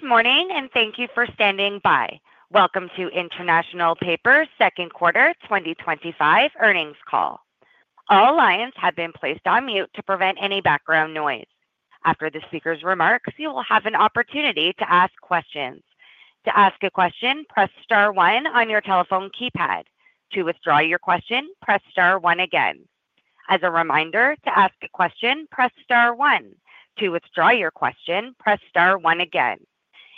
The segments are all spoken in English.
Good morning, and thank you for standing by. Welcome to International Paper Second Quarter 2025 Earnings Call. All lines have been placed on mute to prevent any background noise. After the speaker's remarks, you will have an opportunity to ask questions. To ask a question, press star one on your telephone keypad. To withdraw your question, press star one again. As a reminder, to ask a question, press star one. To withdraw your question, press star one again.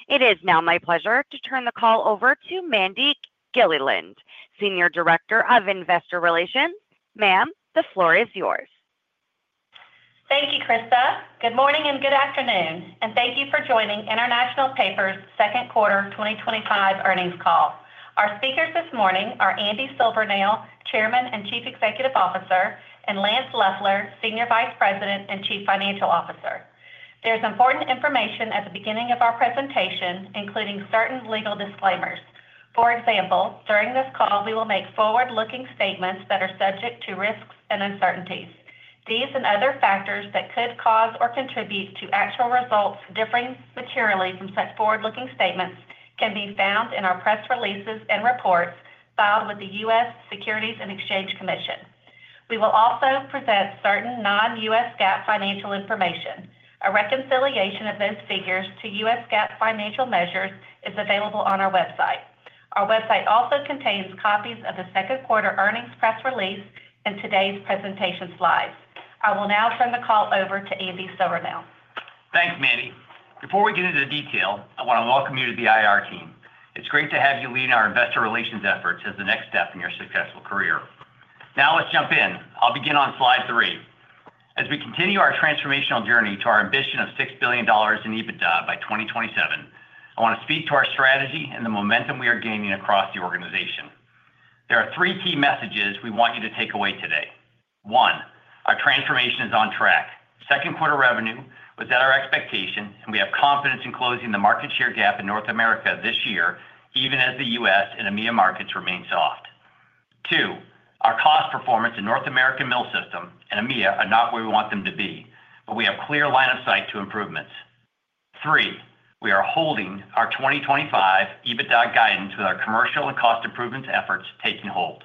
It is now my pleasure to turn the call over to Mandi Gilliland, Senior Director of Investor Relations. Ma'am, the floor is yours. Thank you, Krista. Good morning and good afternoon, and thank you for joining International Paper Second Quarter 2025 Earnings Call. Our speakers this morning are Andy Silvernail, Chairman and Chief Executive Officer, and Lance Loeffler, Senior Vice President and Chief Financial Officer. There is important information at the beginning of our presentation, including certain legal disclaimers. For example, during this call, we will make forward-looking statements that are subject to risks and uncertainties. These and other factors that could cause or contribute to actual results differing materially from such forward-looking statements can be found in our press releases and reports filed with the U.S. Securities and Exchange Commission. We will also present certain non-U.S. GAAP financial information. A reconciliation of those figures to U.S. GAAP financial measures is available on our website. Our website also contains copies of the second quarter earnings press release and today's presentation slides. I will now turn the call over to Andy Silvernail. Thanks, Mandi. Before we get into the detail, I want to welcome you to the IR team. It's great to have you leading our Investor Relations efforts as the next step in your successful career. Now let's jump in. I'll begin on slide three. As we continue our transformational journey to our ambition of $6 billion in EBITDA by 2027, I want to speak to our strategy and the momentum we are gaining across the organization. There are three key messages we want you to take away today. One, our transformation is on track. Second quarter revenue was at our expectation, and we have confidence in closing the market share gap in North America this year, even as the U.S. and EMEA markets remain soft. Two, our cost performance in North America mill system and EMEA are not where we want them to be, but we have a clear line of sight to improvements. Three, we are holding our 2025 EBITDA guidance with our commercial and cost improvements efforts taking hold.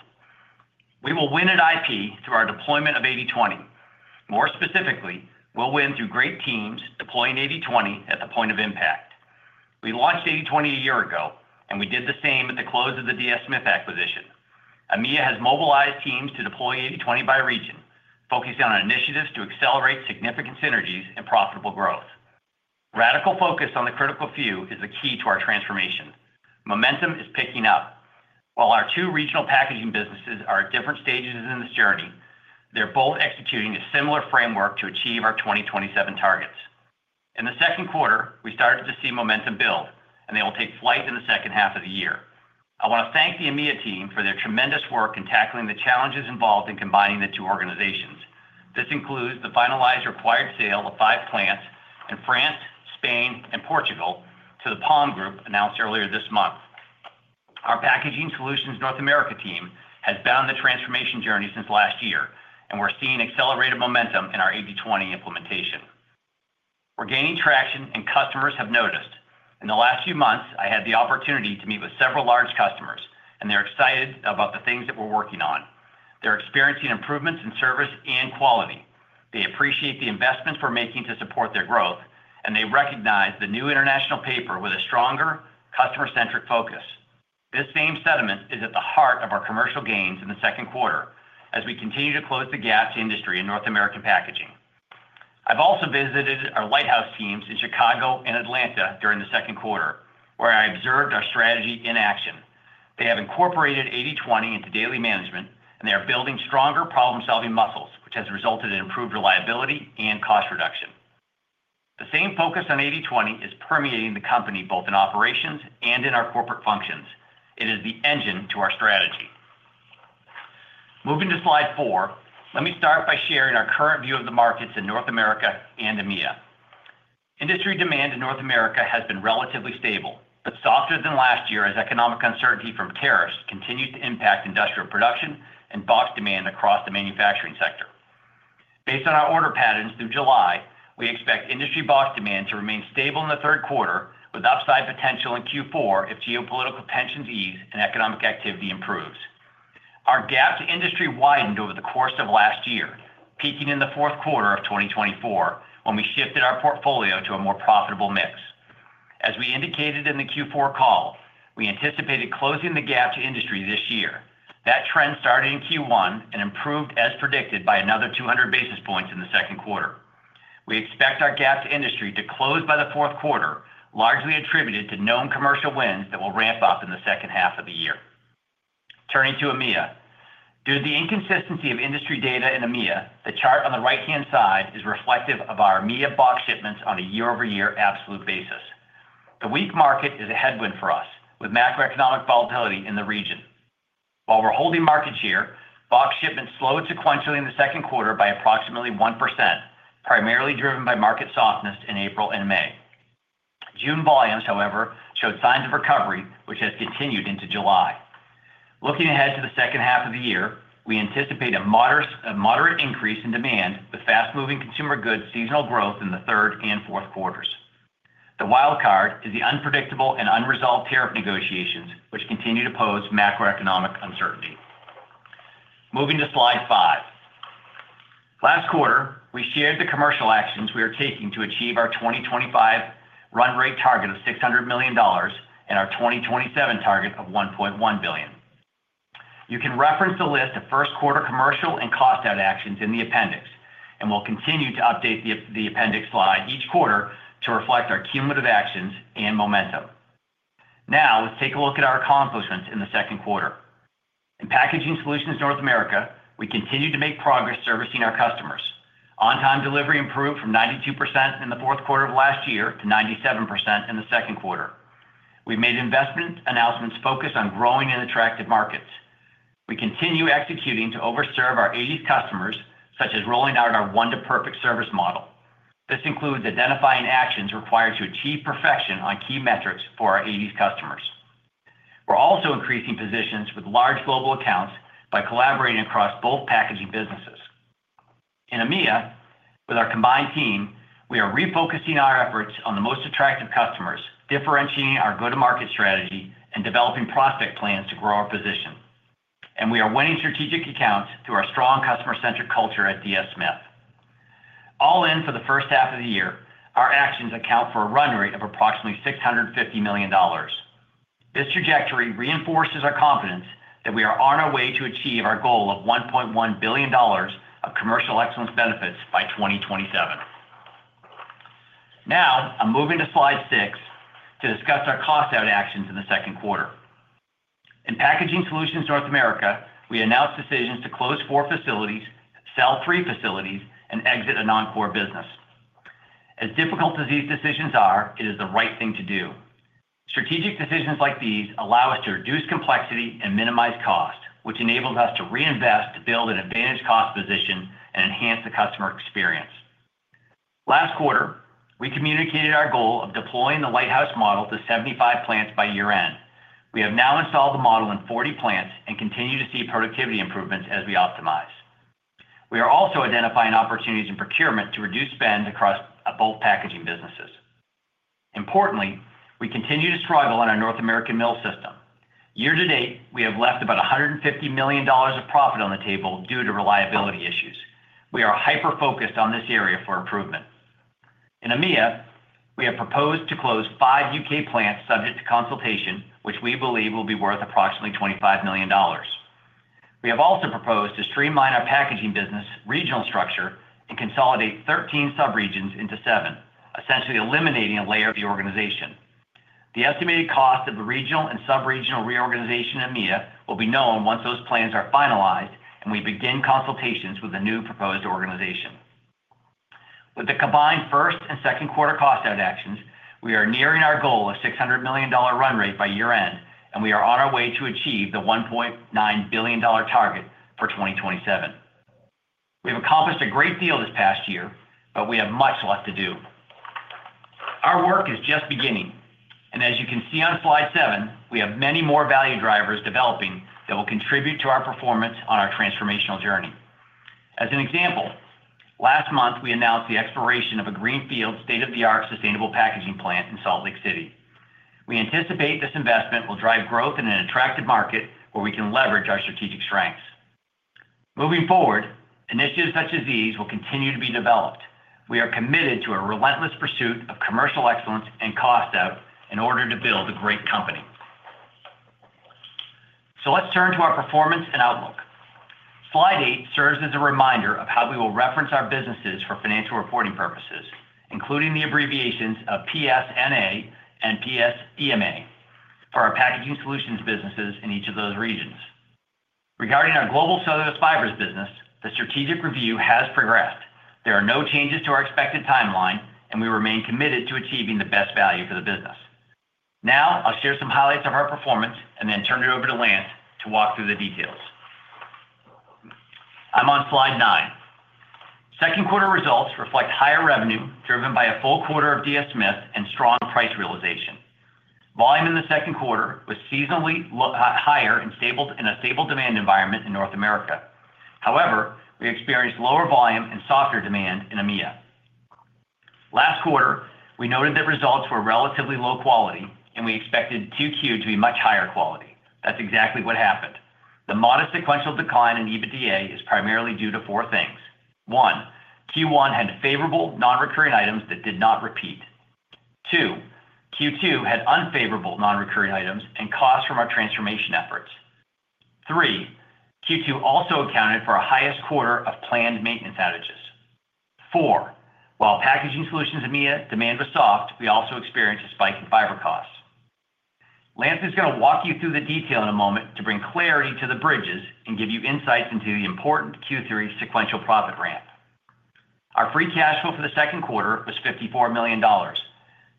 We will win at IP through our deployment of 80/20. More specifically, we'll win through great teams deploying 80/20 at the point of impact. We launched 80/20 a year ago, and we did the same at the close of the DS Smith acquisition. EMEA has mobilized teams to deploy 80/20 by region, focusing on initiatives to accelerate significant synergies and profitable growth. Radical focus on the critical few is the key to our transformation. Momentum is picking up. While our two regional packaging businesses are at different stages in this journey, they're both executing a similar framework to achieve our 2027 targets. In the second quarter, we started to see momentum build, and they will take flight in the second half of the year. I want to thank the EMEA team for their tremendous work in tackling the challenges involved in combining the two organizations. This includes the finalized required sale of five plants in France, Spain, and Portugal to the PALM Group announced earlier this month. Our Packaging Solutions North America team has been on the transformation journey since last year, and we're seeing accelerated momentum in our 80/20 implementation. We're gaining traction, and customers have noticed. In the last few months, I had the opportunity to meet with several large customers, and they're excited about the things that we're working on. They're experiencing improvements in service and quality. They appreciate the investments we're making to support their growth, and they recognize the new International Paper with a stronger customer-centric focus. This same sentiment is at the heart of our commercial gains in the second quarter as we continue to close the gap to industry in North American Packaging. I've also visited our lighthouse teams in Chicago and Atlanta during the second quarter, where I observed our strategy in action. They have incorporated 80/20 into daily management, and they are building stronger problem-solving muscles, which has resulted in improved reliability and cost reduction. The same focus on 80/20 is permeating the company, both in operations and in our corporate functions. It is the engine to our strategy. Moving to slide four, let me start by sharing our current view of the markets in North America and EMEA. Industry demand in North America has been relatively stable, but softer than last year as economic uncertainty from tariffs continues to impact industrial production and box demand across the manufacturing sector. Based on our order patterns through July, we expect industry box demand to remain stable in the third quarter with upside potential in Q4 if geopolitical tensions ease and economic activity improves. Our gap to industry widened over the course of last year, peaking in the fourth quarter of 2024 when we shifted our portfolio to a more profitable mix. As we indicated in the Q4 call, we anticipated closing the gap to industry this year. That trend started in Q1 and improved as predicted by another 200 basis points in the second quarter. We expect our gap to industry to close by the fourth quarter, largely attributed to known commercial wins that will ramp up in the second half of the year. Turning to EMEA, due to the inconsistency of industry data in EMEA, the chart on the right-hand side is reflective of our EMEA box shipments on a year-over-year absolute basis. The weak market is a headwind for us with macroeconomic volatility in the region. While we're holding market share, box shipments slowed sequentially in the second quarter by approximately 1%, primarily driven by market softness in April and May. June volumes, however, showed signs of recovery, which has continued into July. Looking ahead to the second half of the year, we anticipate a moderate increase in demand with fast-moving consumer goods' seasonal growth in the third and fourth quarters. The wild card is the unpredictable and unresolved tariff negotiations, which continue to pose macroeconomic uncertainty. Moving to slide five. Last quarter, we shared the commercial actions we are taking to achieve our 2025 run-rate target of $600 million and our 2027 target of $1.1 billion. You can reference the list of first quarter commercial and cost-out actions in the appendix, and we'll continue to update the appendix slide each quarter to reflect our cumulative actions and momentum. Now let's take a look at our accomplishments in the second quarter. In Packaging Solutions North America, we continue to make progress servicing our customers. On-time delivery improved from 92% in the fourth quarter of last year to 97% in the second quarter. We've made investment announcements focused on growing in attractive markets. We continue executing to overserve our 80s customers, such as rolling out our one-to-perfect service model. This includes identifying actions required to achieve perfection on key metrics for our 80s customers. We're also increasing positions with large global accounts by collaborating across both packaging businesses. In EMEA, with our combined team, we are refocusing our efforts on the most attractive customers, differentiating our go-to-market strategy, and developing prospect plans to grow our position. We are winning strategic accounts through our strong customer-centric culture at DS Smith. All in for the first half of the year, our actions account for a run-rate of approximately $650 million. This trajectory reinforces our confidence that we are on our way to achieve our goal of $1.1 billion of commercial excellence benefits by 2027. Now I'm moving to slide six to discuss our cost-out actions in the second quarter. In Packaging Solutions North America, we announced decisions to close four facilities, sell three facilities, and exit a non-core business. As difficult as these decisions are, it is the right thing to do. Strategic decisions like these allow us to reduce complexity and minimize cost, which enables us to reinvest to build an advantaged cost position and enhance the customer experience. Last quarter, we communicated our goal of deploying the lighthouse model to 75 plants by year-end. We have now installed the model in 40 plants and continue to see productivity improvements as we optimize. We are also identifying opportunities in procurement to reduce spend across both packaging businesses. Importantly, we continue to struggle in our North American mill system. Year to date, we have left about $150 million of profit on the table due to reliability issues. We are hyper-focused on this area for improvement. In EMEA, we have proposed to close five U.K. plants subject to consultation, which we believe will be worth approximately $25 million. We have also proposed to streamline our packaging business regional structure and consolidate 13 subregions into seven, essentially eliminating a layer of the organization. The estimated cost of the regional and subregional reorganization in EMEA will be known once those plans are finalized and we begin consultations with the new proposed organization. With the combined first and second quarter cost-out actions, we are nearing our goal of $600 million run rate by year-end, and we are on our way to achieve the $1.9 billion target for 2027. We have accomplished a great deal this past year, but we have much left to do. Our work is just beginning, and as you can see on slide seven, we have many more value drivers developing that will contribute to our performance on our transformational journey. As an example, last month, we announced the exploration of a greenfield state-of-the-art sustainable packaging plant in Salt Lake City. We anticipate this investment will drive growth in an attractive market where we can leverage our strategic strengths. Moving forward, initiatives such as these will continue to be developed. We are committed to a relentless pursuit of commercial excellence and cost-out in order to build a great company. Let's turn to our performance and outlook. Slide eight serves as a reminder of how we will reference our businesses for financial reporting purposes, including the abbreviations of PS NA and PS EMEA for our Packaging Solutions businesses in each of those regions. Regarding our Global Cellulose Fibers business, the strategic review has progressed. There are no changes to our expected timeline, and we remain committed to achieving the best value for the business. Now I'll share some highlights of our performance and then turn it over to Lance to walk through the details. I'm on slide nine. Second quarter results reflect higher revenue driven by a full quarter of DS Smith and strong price realization. Volume in the second quarter was seasonally higher in a stable demand environment in North America. However, we experienced lower volume and softer demand in EMEA. Last quarter, we noted that results were relatively low quality, and we expected Q2 to be much higher quality. That's exactly what happened. The modest sequential decline in EBITDA is primarily due to four things. One, Q1 had favorable non-recurring items that did not repeat. Two, Q2 had unfavorable non-recurring items and costs from our transformation efforts. Three, Q2 also accounted for a highest quarter of planned maintenance outages. Four, while Packaging Solutions EMEA demand was soft, we also experienced a spike in fiber costs. Lance is going to walk you through the detail in a moment to bring clarity to the bridges and give you insights into the important Q3 sequential profit ramp. Our free cash flow for the second quarter was $54 million.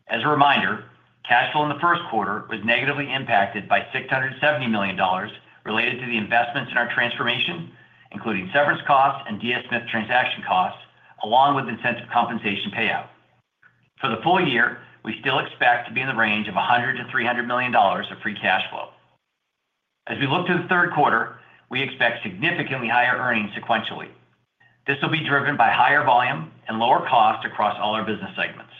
As a reminder, cash flow in the first quarter was negatively impacted by $670 million related to the investments in our transformation, including severance costs and DS Smith transaction costs, along with incentive compensation payout. For the full year, we still expect to be in the range of $100-$300 million of free cash flow. As we look to the third quarter, we expect significantly higher earnings sequentially. This will be driven by higher volume and lower cost across all our business segments.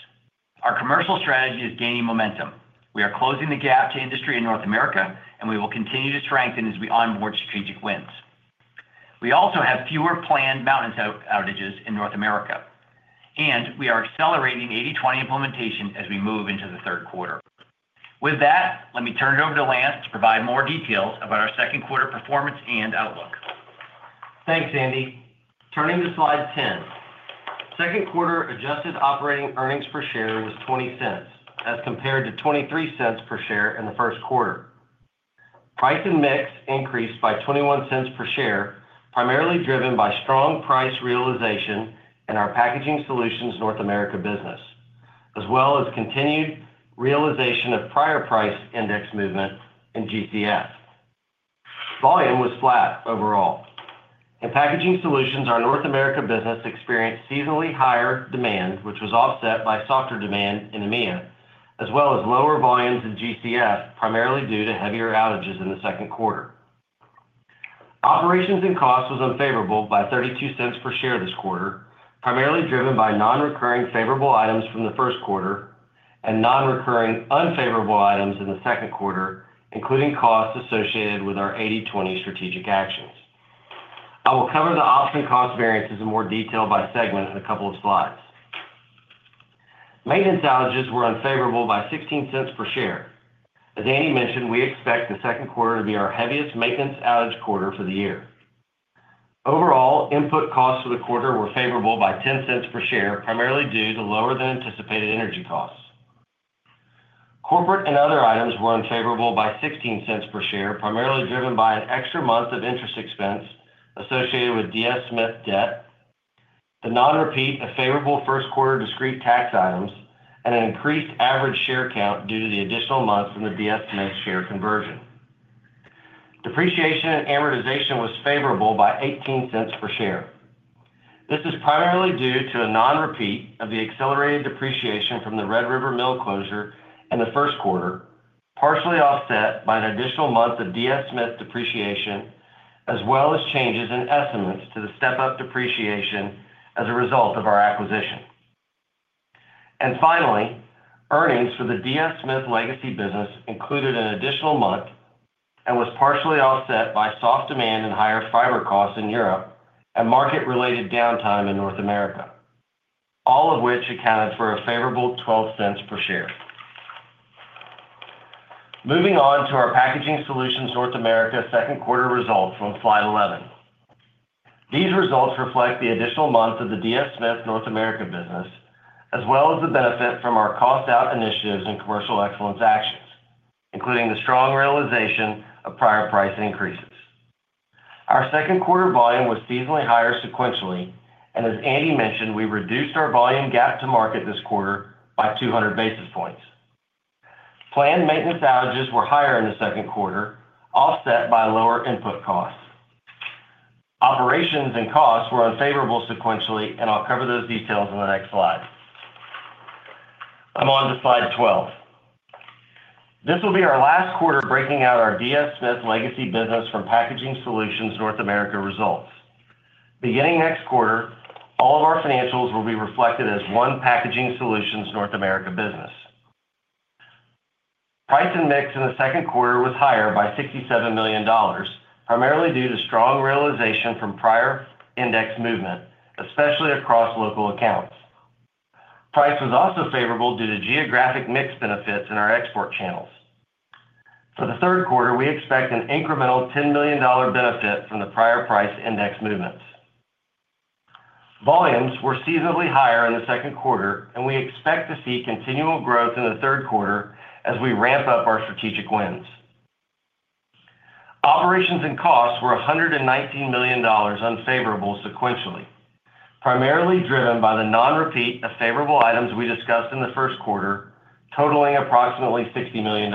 Our commercial strategy is gaining momentum. We are closing the gap to industry in North America, and we will continue to strengthen as we onboard strategic wins. We also have fewer planned maintenance outages in North America, and we are accelerating 80/20 implementation as we move into the third quarter. With that, let me turn it over to Lance to provide more details about our second quarter performance and outlook. Thanks, Andy. Turning to slide 10. Second quarter adjusted operating earnings per share was $0.20 as compared to $0.23 per share in the first quarter. Price and mix increased by $0.21 per share, primarily driven by strong price realization in our Packaging Solutions North America business, as well as continued realization of prior price index movement in GCF. Volume was flat overall. In Packaging Solutions, our North America business experienced seasonally higher demand, which was offset by softer demand in EMEA, as well as lower volumes in GCF, primarily due to heavier outages in the second quarter. Operations and costs were unfavorable by $0.32 per share this quarter, primarily driven by non-recurring favorable items from the first quarter and non-recurring unfavorable items in the second quarter, including costs associated with our 80/20 strategic actions. I will cover the option cost variances in more detail by segment in a couple of slides. Maintenance outages were unfavorable by $0.16 per share. As Andy mentioned, we expect the second quarter to be our heaviest maintenance outage quarter for the year. Overall, input costs for the quarter were favorable by $0.10 per share, primarily due to lower than anticipated energy costs. Corporate and other items were unfavorable by $0.16 per share, primarily driven by an extra month of interest expense associated with DS Smith debt, the non-repeat of favorable first quarter discrete tax items, and an increased average share count due to the additional month from the DS Smith share conversion. Depreciation and amortization were favorable by $0.18 per share. This is primarily due to a non-repeat of the accelerated depreciation from the Red River mill closure in the first quarter, partially offset by an additional month of DS Smith depreciation, as well as changes in estimates to the step-up depreciation as a result of our acquisition. Earnings for the DS Smith legacy business included an additional month and was partially offset by soft demand and higher fiber costs in Europe and market-related downtime in North America, all of which accounted for a favorable $0.12 per share. Moving on to our Packaging Solutions North America second quarter results from slide 11. These results reflect the additional month of the DS Smith North America business, as well as the benefit from our cost-out initiatives and commercial excellence actions, including the strong realization of prior price increases. Our second quarter volume was seasonally higher sequentially, and as Andy mentioned, we reduced our volume gap to market this quarter by 200 basis points. Planned maintenance outages were higher in the second quarter, offset by lower input costs. Operations and costs were unfavorable sequentially, and I'll cover those details in the next slide. I'm on to slide 12. This will be our last quarter breaking out our DS Smith legacy business from Packaging Solutions North America results. Beginning next quarter, all of our financials will be reflected as one Packaging Solutions North America business. Price and mix in the second quarter was higher by $67 million, primarily due to strong realization from prior index movement, especially across local accounts. Price was also favorable due to geographic mix benefits in our export channels. For the third quarter, we expect an incremental $10 million benefit from the prior price index movements. Volumes were seasonally higher in the second quarter, and we expect to see continual growth in the third quarter as we ramp up our strategic wins. Operations and costs were $119 million unfavorable sequentially, primarily driven by the non-repeat of favorable items we discussed in the first quarter, totaling approximately $60 million.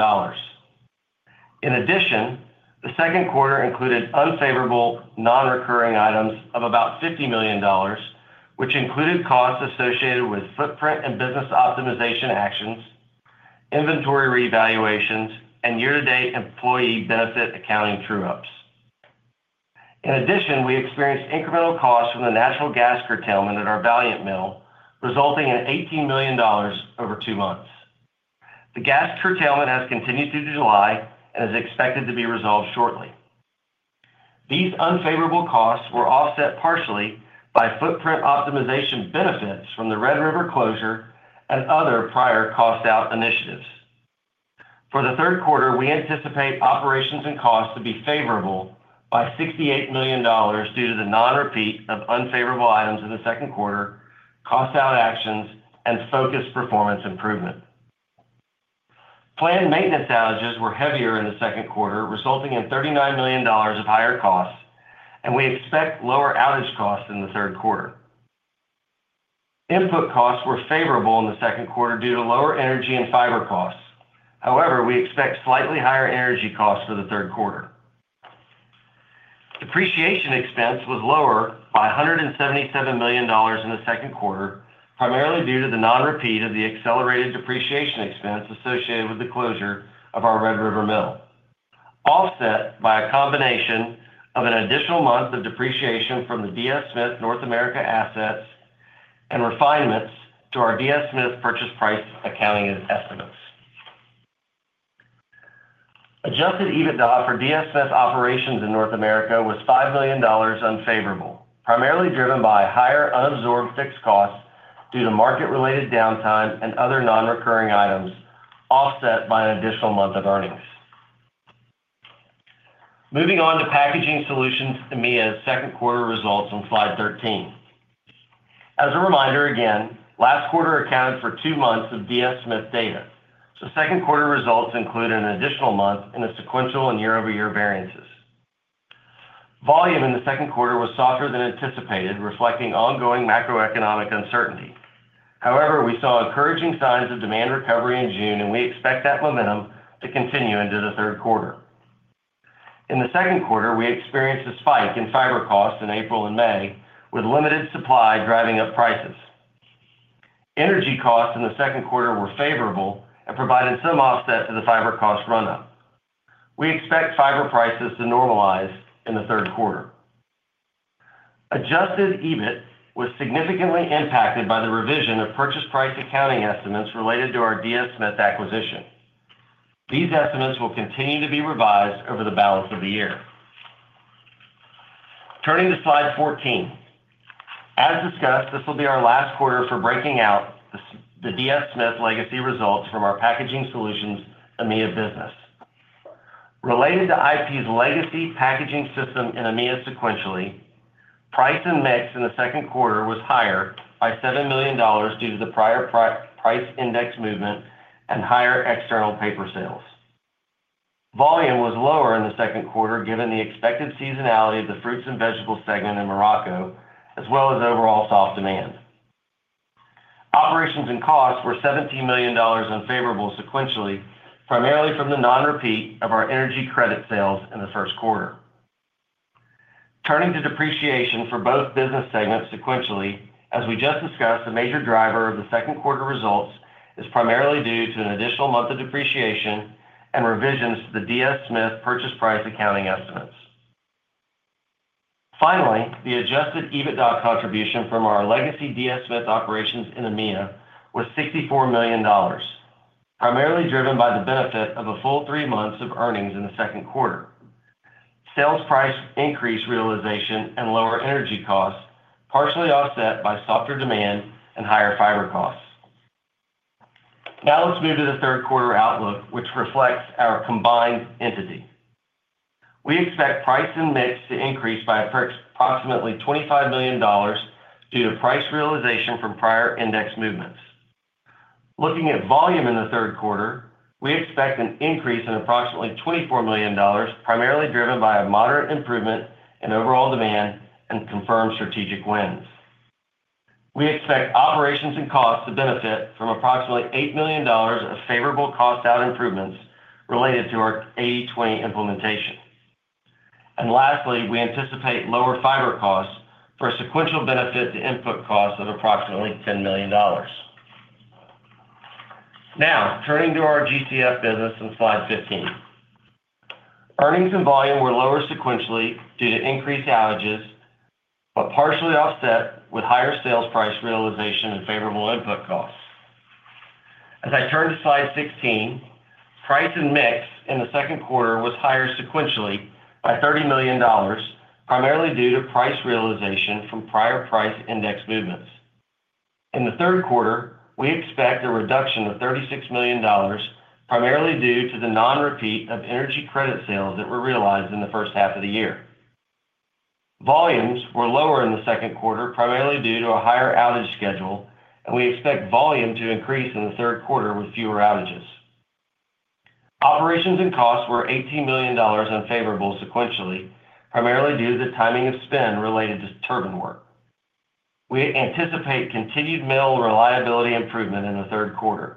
In addition, the second quarter included unfavorable non-recurring items of about $50 million, which included costs associated with footprint and business optimization actions, inventory revaluations, and year-to-date employee benefit accounting true-ups. We experienced incremental costs from the natural gas curtailment at our Valiant mill, resulting in $18 million over two months. The gas curtailment has continued through July and is expected to be resolved shortly. These unfavorable costs were offset partially by footprint optimization benefits from the Red River closure and other prior cost-out initiatives. For the third quarter, we anticipate operations and costs to be favorable by $68 million due to the non-repeat of unfavorable items in the second quarter, cost-out actions, and focused performance improvement. Planned maintenance outages were heavier in the second quarter, resulting in $39 million of higher costs, and we expect lower outage costs in the third quarter. Input costs were favorable in the second quarter due to lower energy and fiber costs. However, we expect slightly higher energy costs for the third quarter. Depreciation expense was lower by $177 million in the second quarter, primarily due to the non-repeat of the accelerated depreciation expense associated with the closure of our Red River mill, offset by a combination of an additional month of depreciation from the DS Smith North America assets and refinements to our DS Smith purchase price accounting estimates. Adjusted EBITDA for DS Smith operations in North America was $5 million unfavorable, primarily driven by higher unabsorbed fixed costs due to market-related downtime and other non-recurring items, offset by an additional month of earnings. Moving on to Packaging Solutions EMEA's second quarter results on slide 13. As a reminder again, last quarter accounted for two months of DS Smith data. Second quarter results include an additional month in the sequential and year-over-year variances. Volume in the second quarter was softer than anticipated, reflecting ongoing macroeconomic uncertainty. However, we saw encouraging signs of demand recovery in June, and we expect that momentum to continue into the third quarter. In the second quarter, we experienced a spike in fiber costs in April and May, with limited supply driving up prices. Energy costs in the second quarter were favorable and provided some offset to the fiber cost run-up. We expect fiber prices to normalize in the third quarter. Adjusted EBIT was significantly impacted by the revision of purchase price accounting estimates related to our DS Smith acquisition. These estimates will continue to be revised over the balance of the year. Turning to slide 14. As discussed, this will be our last quarter for breaking out the DS Smith legacy results from our Packaging Solutions EMEA business. Related to IP legacy packaging system in EMEA sequentially, price and mix in the second quarter was higher by $7 million due to the prior price index movement and higher external paper sales. Volume was lower in the second quarter given the expected seasonality of the fruits and vegetables segment in Morocco, as well as overall soft demand. Operations and costs were $17 million unfavorable sequentially, primarily from the non-repeat of our energy credit sales in the first quarter. Turning to depreciation for both business segments sequentially, as we just discussed, the major driver of the second quarter results is primarily due to an additional month of depreciation and revisions to the DS Smith purchase price accounting estimates. Finally, the adjusted EBITDA contribution from our legacy DS Smith operations in EMEA was $64 million, primarily driven by the benefit of a full three months of earnings in the second quarter. Sales price increase realization and lower energy costs partially offset by softer demand and higher fiber costs. Now let's move to the third quarter outlook, which reflects our combined entity. We expect price and mix to increase by approximately $25 million due to price realization from prior index movements. Looking at volume in the third quarter, we expect an increase in approximately $24 million, primarily driven by a moderate improvement in overall demand and confirmed strategic wins. We expect operations and costs to benefit from approximately $8 million of favorable cost-out improvements related to our 80/20 implementation. Lastly, we anticipate lower fiber costs for a sequential benefit to input costs of approximately $10 million. Now, turning to our GCF business on slide 15. Earnings and volume were lower sequentially due to increased outages, but partially offset with higher sales price realization and favorable input costs. As I turn to slide 16, price and mix in the second quarter was higher sequentially by $30 million, primarily due to price realization from prior price index movements. In the third quarter, we expect a reduction of $36 million, primarily due to the non-repeat of energy credit sales that were realized in the first half of the year. Volumes were lower in the second quarter, primarily due to a higher outage schedule, and we expect volume to increase in the third quarter with fewer outages. Operations and costs were $18 million unfavorable sequentially, primarily due to the timing of spend related to turbine work. We anticipate continued mill reliability improvement in the third quarter.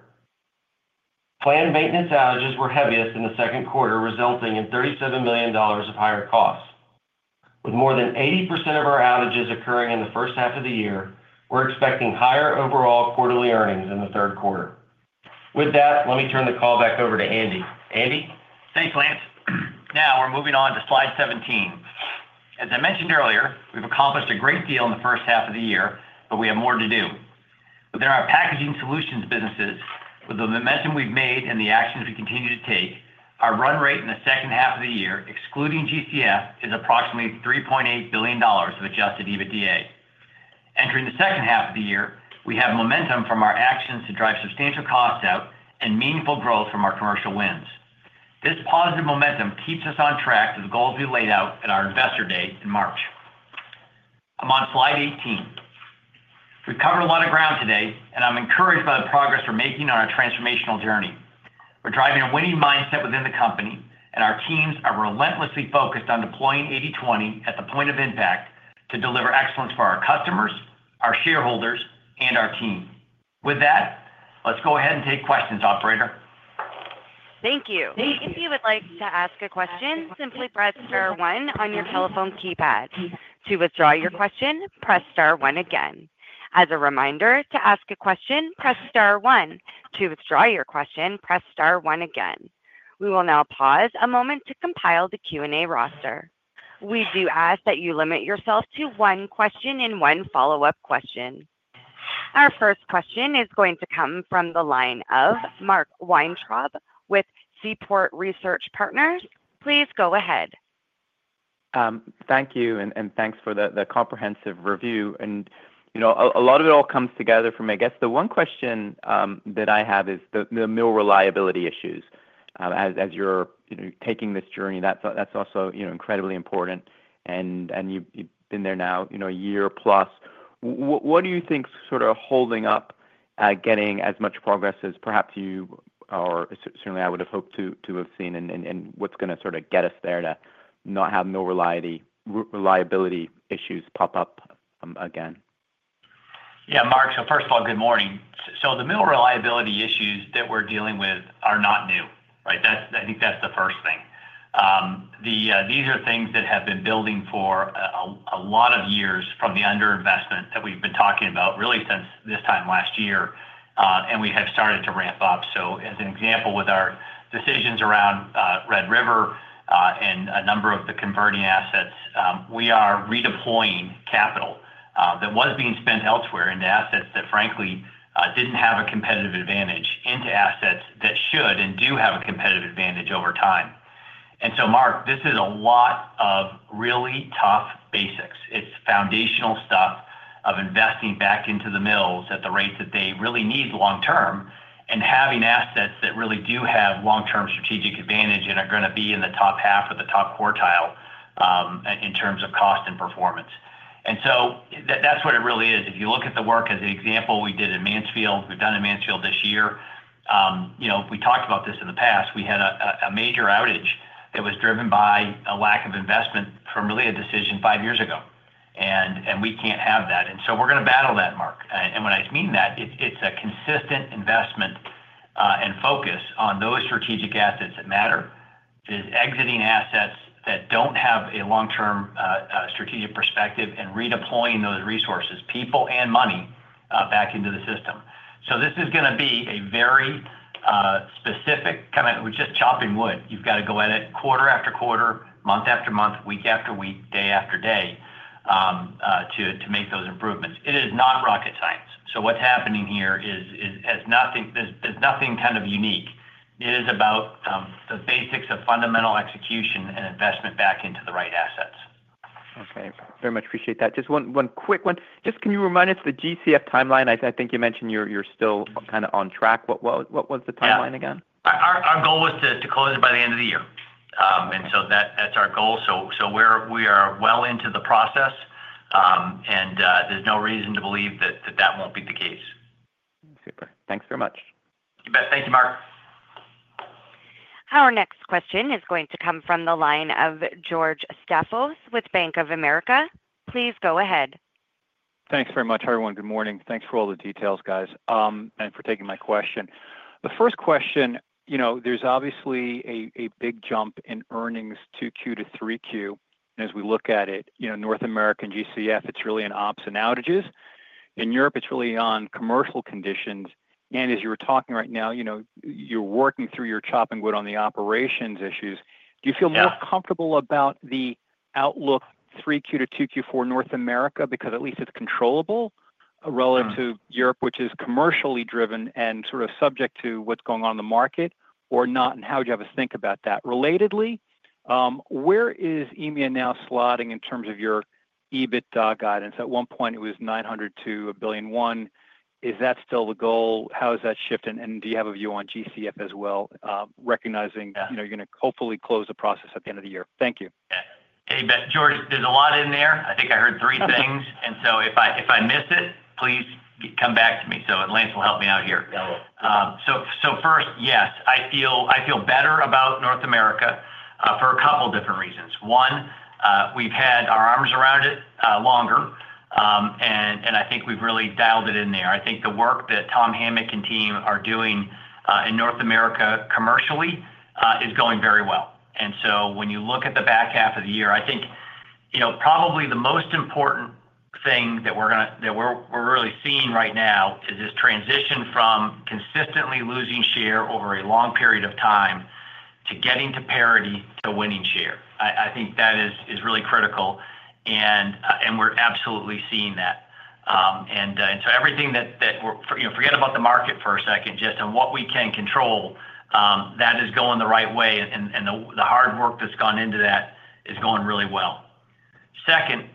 Planned maintenance outages were heaviest in the second quarter, resulting in $37 million of higher costs. With more than 80% of our outages occurring in the first half of the year, we're expecting higher overall quarterly earnings in the third quarter. With that, let me turn the call back over to Andy. Andy? Thanks, Lance. Now we're moving on to slide 17. As I mentioned earlier, we've accomplished a great deal in the first half of the year, but we have more to do. Within our Packaging Solutions businesses, with the momentum we've made and the actions we continue to take, our run rate in the second half of the year, excluding GCF, is approximately $3.8 billion of Adjusted EBITDA. Entering the second half of the year, we have momentum from our actions to drive substantial costs out and meaningful growth from our commercial wins. This positive momentum keeps us on track to the goals we laid out at our Investor Day in March. I'm on slide 18. We covered a lot of ground today, and I'm encouraged by the progress we're making on our transformational journey. We're driving a winning mindset within the company, and our teams are relentlessly focused on deploying 80/20 at the point of impact to deliver excellence for our customers, our shareholders, and our team. With that, let's go ahead and take questions, Operator. Thank you. If you would like to ask a question, simply press star one on your telephone keypad. To withdraw your question, press star one again. As a reminder, to ask a question, press star one. To withdraw your question, press star one again. We will now pause a moment to compile the Q&A roster. We do ask that you limit yourself to one question and one follow-up question. Our first question is going to come from the line of Mark Weintraub with Seaport Research Partners. Please go ahead. Thank you, and thanks for the comprehensive review. A lot of it all comes together from, I guess, the one question that I have is the mill reliability issues. As you're taking this journey, that's also incredibly important. You've been there now a year plus. What do you think is sort of holding up getting as much progress as perhaps you or certainly I would have hoped to have seen, and what's going to sort of get us there to not have reliability issues pop up again? Yeah, Mark. First of all, good morning. The mill reliability issues that we're dealing with are not new, right? I think that's the first thing. These are things that have been building for a lot of years from the underinvestment that we've been talking about, really since this time last year, and we have started to ramp up. As an example, with our decisions around Red River and a number of the converting assets, we are redeploying capital that was being spent elsewhere into assets that, frankly, didn't have a competitive advantage into assets that should and do have a competitive advantage over time. Mark, this is a lot of really tough basics. It's foundational stuff of investing back into the mills at the rate that they really need long-term and having assets that really do have long-term strategic advantage and are going to be in the top half or the top quartile in terms of cost and performance. That's what it really is. If you look at the work, as an example, we did in Mansfield. We've done in Mansfield this year. We talked about this in the past. We had a major outage that was driven by a lack of investment from really a decision five years ago. We can't have that. We're going to battle that, Mark. When I mean that, it's a consistent investment and focus on those strategic assets that matter, exiting assets that don't have a long-term strategic perspective, and redeploying those resources, people and money, back into the system. This is going to be a very specific kind of just chopping wood. You've got to go at it quarter after quarter, month after month, week after week, day after day to make those improvements. It is not rocket science. What's happening here is nothing kind of unique. It is about the basics of fundamental execution and investment back into the right assets. Okay. Very much appreciate that. Just one quick one. Can you remind us of the GCF timeline? I think you mentioned you're still kind of on track. What was the timeline again? Our goal was to close it by the end of the year. That is our goal. We are well into the process, and there is no reason to believe that will not be the case. Super. Thanks very much. You bet. Thank you, Mark. Our next question is going to come from the line of George Staphos with Bank of America. Please go ahead. Thanks very much, everyone. Good morning. Thanks for all the details, guys, and for taking my question. The first question, there's obviously a big jump in earnings to Q2 to Q3. As we look at it, North America and GCF, it's really in ops and outages. In Europe, it's really on commercial conditions. As you were talking right now, you're working through your chopping wood on the operations issues. Do you feel more comfortable about the outlook Q2 to Q4 North America because at least it's controllable relative to Europe, which is commercially driven and sort of subject to what's going on in the market or not? How would you have a think about that? Relatedly, where is EMEA now slotting in terms of your EBITDA guidance? At one point, it was $900 million-$1.1 billion. Is that still the goal? How has that shifted? Do you have a view on GCF as well, recognizing you're going to hopefully close the process at the end of the year? Thank you. Yeah. Hey, George, there's a lot in there. I think I heard three things. If I miss it, please come back to me. Lance will help me out here. First, yes, I feel better about North America for a couple of different reasons. One, we've had our arms around it longer, and I think we've really dialed it in there. I think the work that Tom Hamnick and team are doing in North America commercially is going very well. When you look at the back half of the year, probably the most important thing that we're really seeing right now is this transition from consistently losing share over a long period of time to getting to parity to winning share. I think that is really critical, and we're absolutely seeing that. Everything that, forget about the market for a second, just on what we can control, that is going the right way. The hard work that's gone into that is going really well. Second,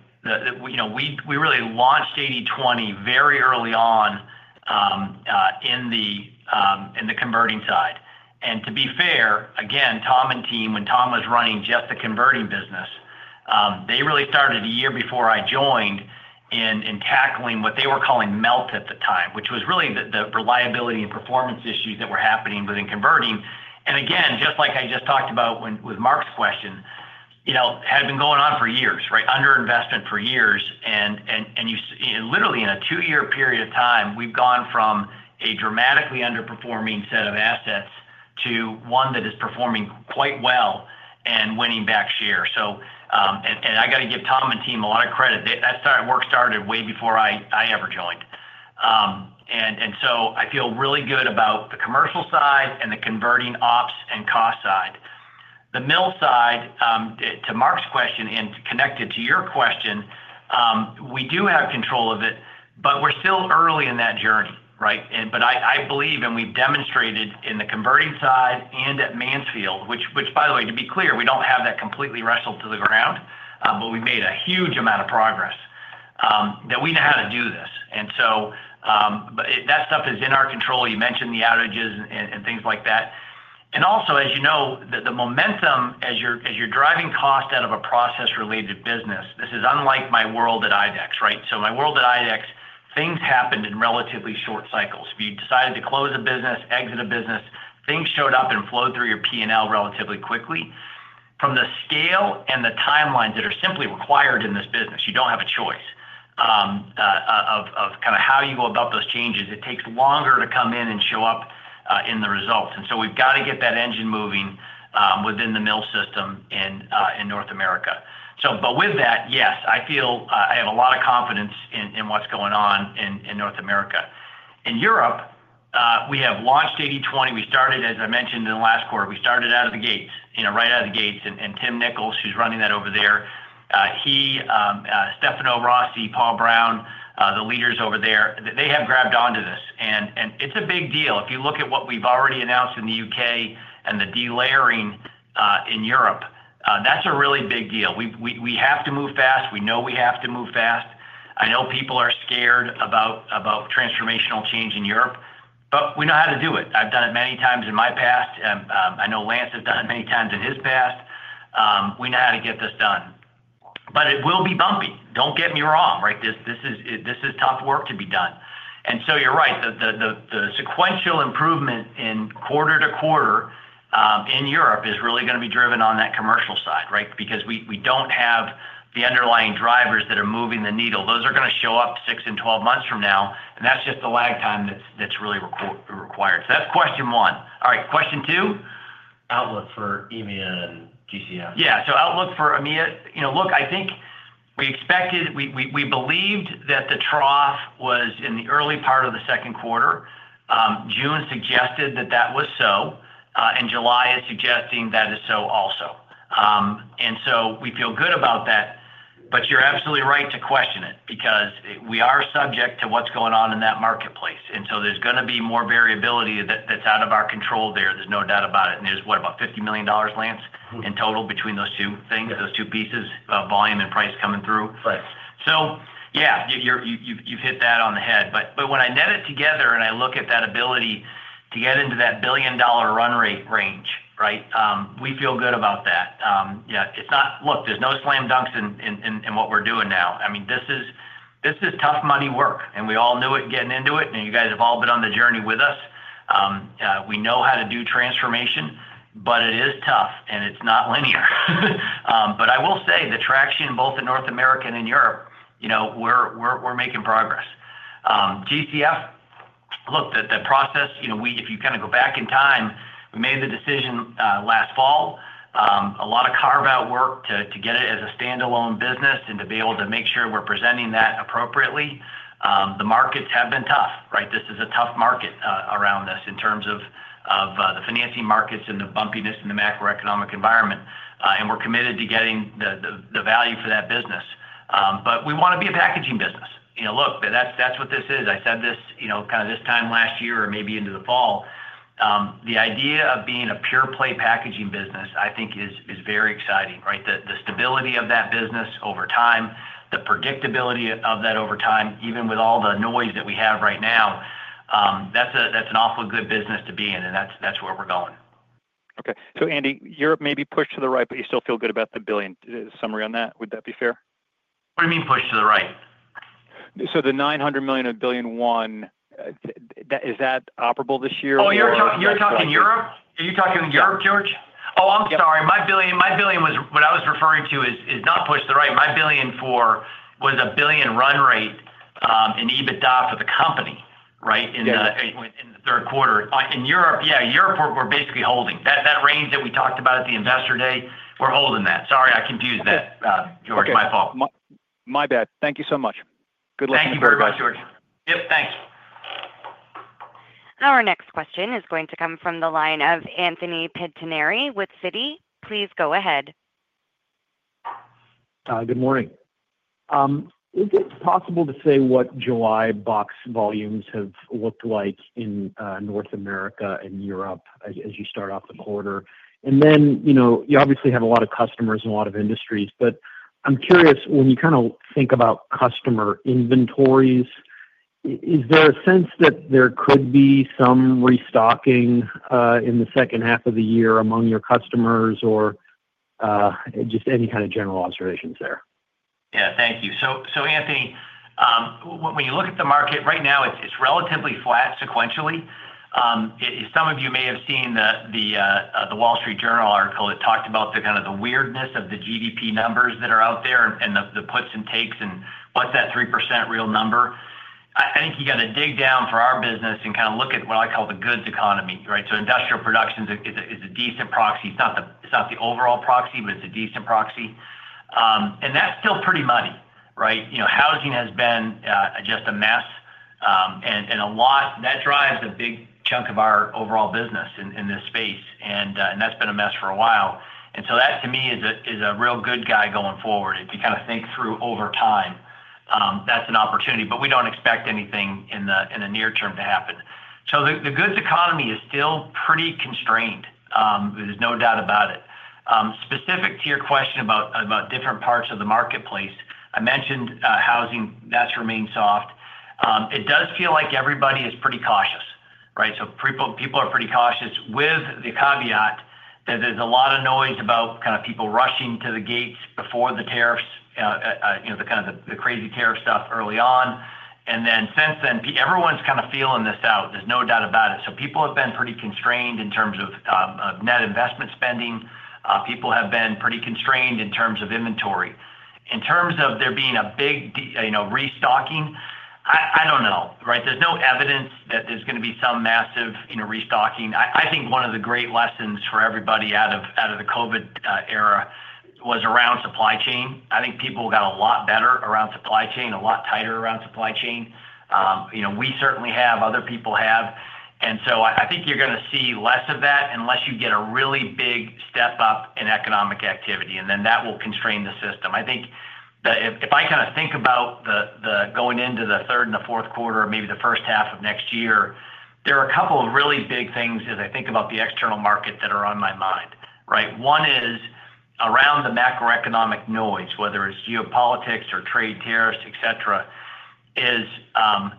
we really launched 80/20 very early on in the converting side. To be fair, again, Tom and team, when Tom was running just the converting business, they really started a year before I joined in tackling what they were calling melt at the time, which was really the reliability and performance issues that were happening within converting. Just like I just talked about with Mark's question, it had been going on for years, right? Underinvestment for years. In a two-year period of time, we've gone from a dramatically underperforming set of assets to one that is performing quite well and winning back share. I got to give Tom and team a lot of credit. That work started way before I ever joined. I feel really good about the commercial side and the converting ops and cost side. The mill side, to Mark's question and connected to your question, we do have control of it, but we're still early in that journey, right? I believe, and we've demonstrated in the converting side and at Mansfield, which, by the way, to be clear, we don't have that completely wrestled to the ground, but we made a huge amount of progress, that we know how to do this. That stuff is in our control. You mentioned the outages and things like that. Also, as you know, the momentum as you're driving cost out of a process-related business, this is unlike my world at IDEX, right? My world at IDEX, things happened in relatively short cycles. If you decided to close a business, exit a business, things showed up and flowed through your P&L relatively quickly. From the scale and the timelines that are simply required in this business, you do not have a choice. Of kind of how you go about those changes, it takes longer to come in and show up in the results. We have got to get that engine moving within the mill system in North America. With that, yes, I feel I have a lot of confidence in what is going on in North America. In Europe, we have launched 80/20. We started, as I mentioned in the last quarter, we started out of the gates, right out of the gates. Tim Nicholls, who is running that over there, he, Stefano Rossi, Paul Brown, the leaders over there, they have grabbed onto this. It is a big deal. If you look at what we have already announced in the U.K. and the delayering in Europe, that is a really big deal. We have to move fast. We know we have to move fast. I know people are scared about transformational change in Europe, but we know how to do it. I have done it many times in my past. I know Lance has done it many times in his past. We know how to get this done. It will be bumpy. Do not get me wrong, right? This is tough work to be done. You are right. The sequential improvement in quarter-to-quarter in Europe is really going to be driven on that commercial side, right? We do not have the underlying drivers that are moving the needle. Those are going to show up 6 and 12 months from now. That is just the lag time that is really required. That is question one. All right. Question two? Outlook for EMEA and GCF? Yeah. So outlook for EMEA, look, I think we expected, we believed that the trough was in the early part of the second quarter. June suggested that that was so. July is suggesting that is so also. We feel good about that. You're absolutely right to question it because we are subject to what's going on in that marketplace. There's going to be more variability that's out of our control there. There's no doubt about it. There's what, about $50 million, Lance, in total between those two things, those two pieces of volume and price coming through? Right. You have hit that on the head. When I net it together and I look at that ability to get into that $1 billion run-rate range, we feel good about that. There are no slam dunks in what we are doing now. This is tough, muddy work, and we all knew it getting into it. You have all been on the journey with us. We know how to do transformation, but it is tough, and it is not linear. I will say the traction both in North America and in Europe, we are making progress. GCF, the process, if you go back in time, we made the decision last fall. There was a lot of carve-out work to get it as a standalone business and to be able to make sure we are presenting that appropriately. The markets have been tough. This is a tough market around this in terms of the financing markets and the bumpiness in the macroeconomic environment. We are committed to getting the value for that business. We want to be a packaging business. That is what this is. I said this kind of this time last year or maybe into the fall. The idea of being a pure-play packaging business, I think, is very exciting. The stability of that business over time, the predictability of that over time, even with all the noise that we have right now, that is an awfully good business to be in, and that is where we are going. Okay. Andy, Europe may be pushed to the right, but you still feel good about the $1 billion summary on that, would that be fair? What do you mean pushed to the right? Is the $900 million and $1 billion one operable this year? Are you talking Europe, George? I'm sorry. My billion was what I was referring to, is not pushed to the right. My billion was a $1 billion run rate in EBITDA for the company, right, in the third quarter. In Europe, yeah, Europe we're basically holding. That range that we talked about at the Investor Day, we're holding that. Sorry, I confused that, George. My fault. Thank you so much. Good luck with that. Thank you very much, George. Thank you. Our next question is going to come from the line of Anthony Pettinari with Citi. Please go ahead. Good morning. Is it possible to say what July box volumes have looked like in North America and Europe as you start off the quarter? You obviously have a lot of customers and a lot of industries, but I'm curious, when you kind of think about customer inventories, is there a sense that there could be some restocking in the second half of the year among your customers? Just any kind of general observations there? Yeah. Thank you. So Anthony, when you look at the market right now, it's relatively flat sequentially. Some of you may have seen the Wall Street Journal article that talked about the kind of the weirdness of the GDP numbers that are out there and the puts and takes and what's that 3% real number. I think you got to dig down for our business and kind of look at what I call the goods economy, right? Industrial production is a decent proxy. It's not the overall proxy, but it's a decent proxy, and that's still pretty muddy, right? Housing has been just a mess. A lot that drives a big chunk of our overall business in this space, and that's been a mess for a while. That, to me, is a real good guide going forward. If you kind of think through over time, that's an opportunity. We don't expect anything in the near term to happen. The goods economy is still pretty constrained, there's no doubt about it. Specific to your question about different parts of the marketplace, I mentioned housing, that's remained soft. It does feel like everybody is pretty cautious, right? People are pretty cautious with the caveat that there's a lot of noise about kind of people rushing to the gates before the tariffs, kind of the crazy tariff stuff early on. Since then, everyone's kind of feeling this out. There's no doubt about it. People have been pretty constrained in terms of net investment spending. People have been pretty constrained in terms of inventory. In terms of there being a big restocking, I don't know, right? There's no evidence that there's going to be some massive restocking. I think one of the great lessons for everybody out of the COVID era was around supply chain. I think people got a lot better around supply chain, a lot tighter around supply chain. We certainly have, other people have. I think you're going to see less of that unless you get a really big step up in economic activity, and then that will constrain the system. If I kind of think about going into the third and the fourth quarter, maybe the first half of next year, there are a couple of really big things as I think about the external market that are on my mind, right? One is around the macroeconomic noise, whether it's geopolitics or trade tariffs, etc. I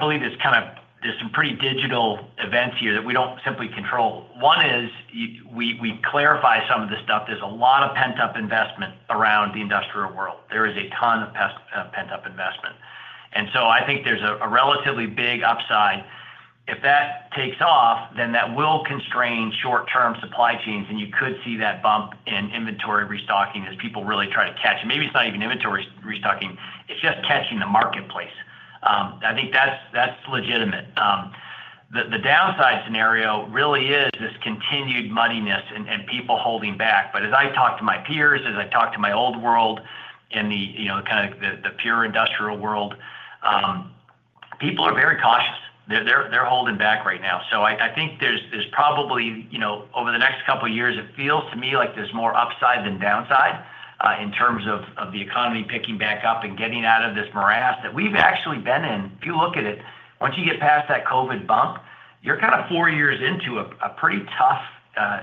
believe there's kind of some pretty digital events here that we don't simply control. One is we clarify some of this stuff. There's a lot of pent-up investment around the industrial world. There is a ton of pent-up investment. I think there's a relatively big upside. If that takes off, that will constrain short-term supply chains, and you could see that bump in inventory restocking as people really try to catch it. Maybe it's not even inventory restocking. It's just catching the marketplace. I think that's legitimate. The downside scenario really is this continued muddiness and people holding back. As I talk to my peers, as I talk to my old world and kind of the pure industrial world, people are very cautious. They're holding back right now. I think there's probably, over the next couple of years, it feels to me like there's more upside than downside in terms of the economy picking back up and getting out of this morass that we've actually been in. If you look at it, once you get past that COVID bump, you're kind of four years into a pretty tough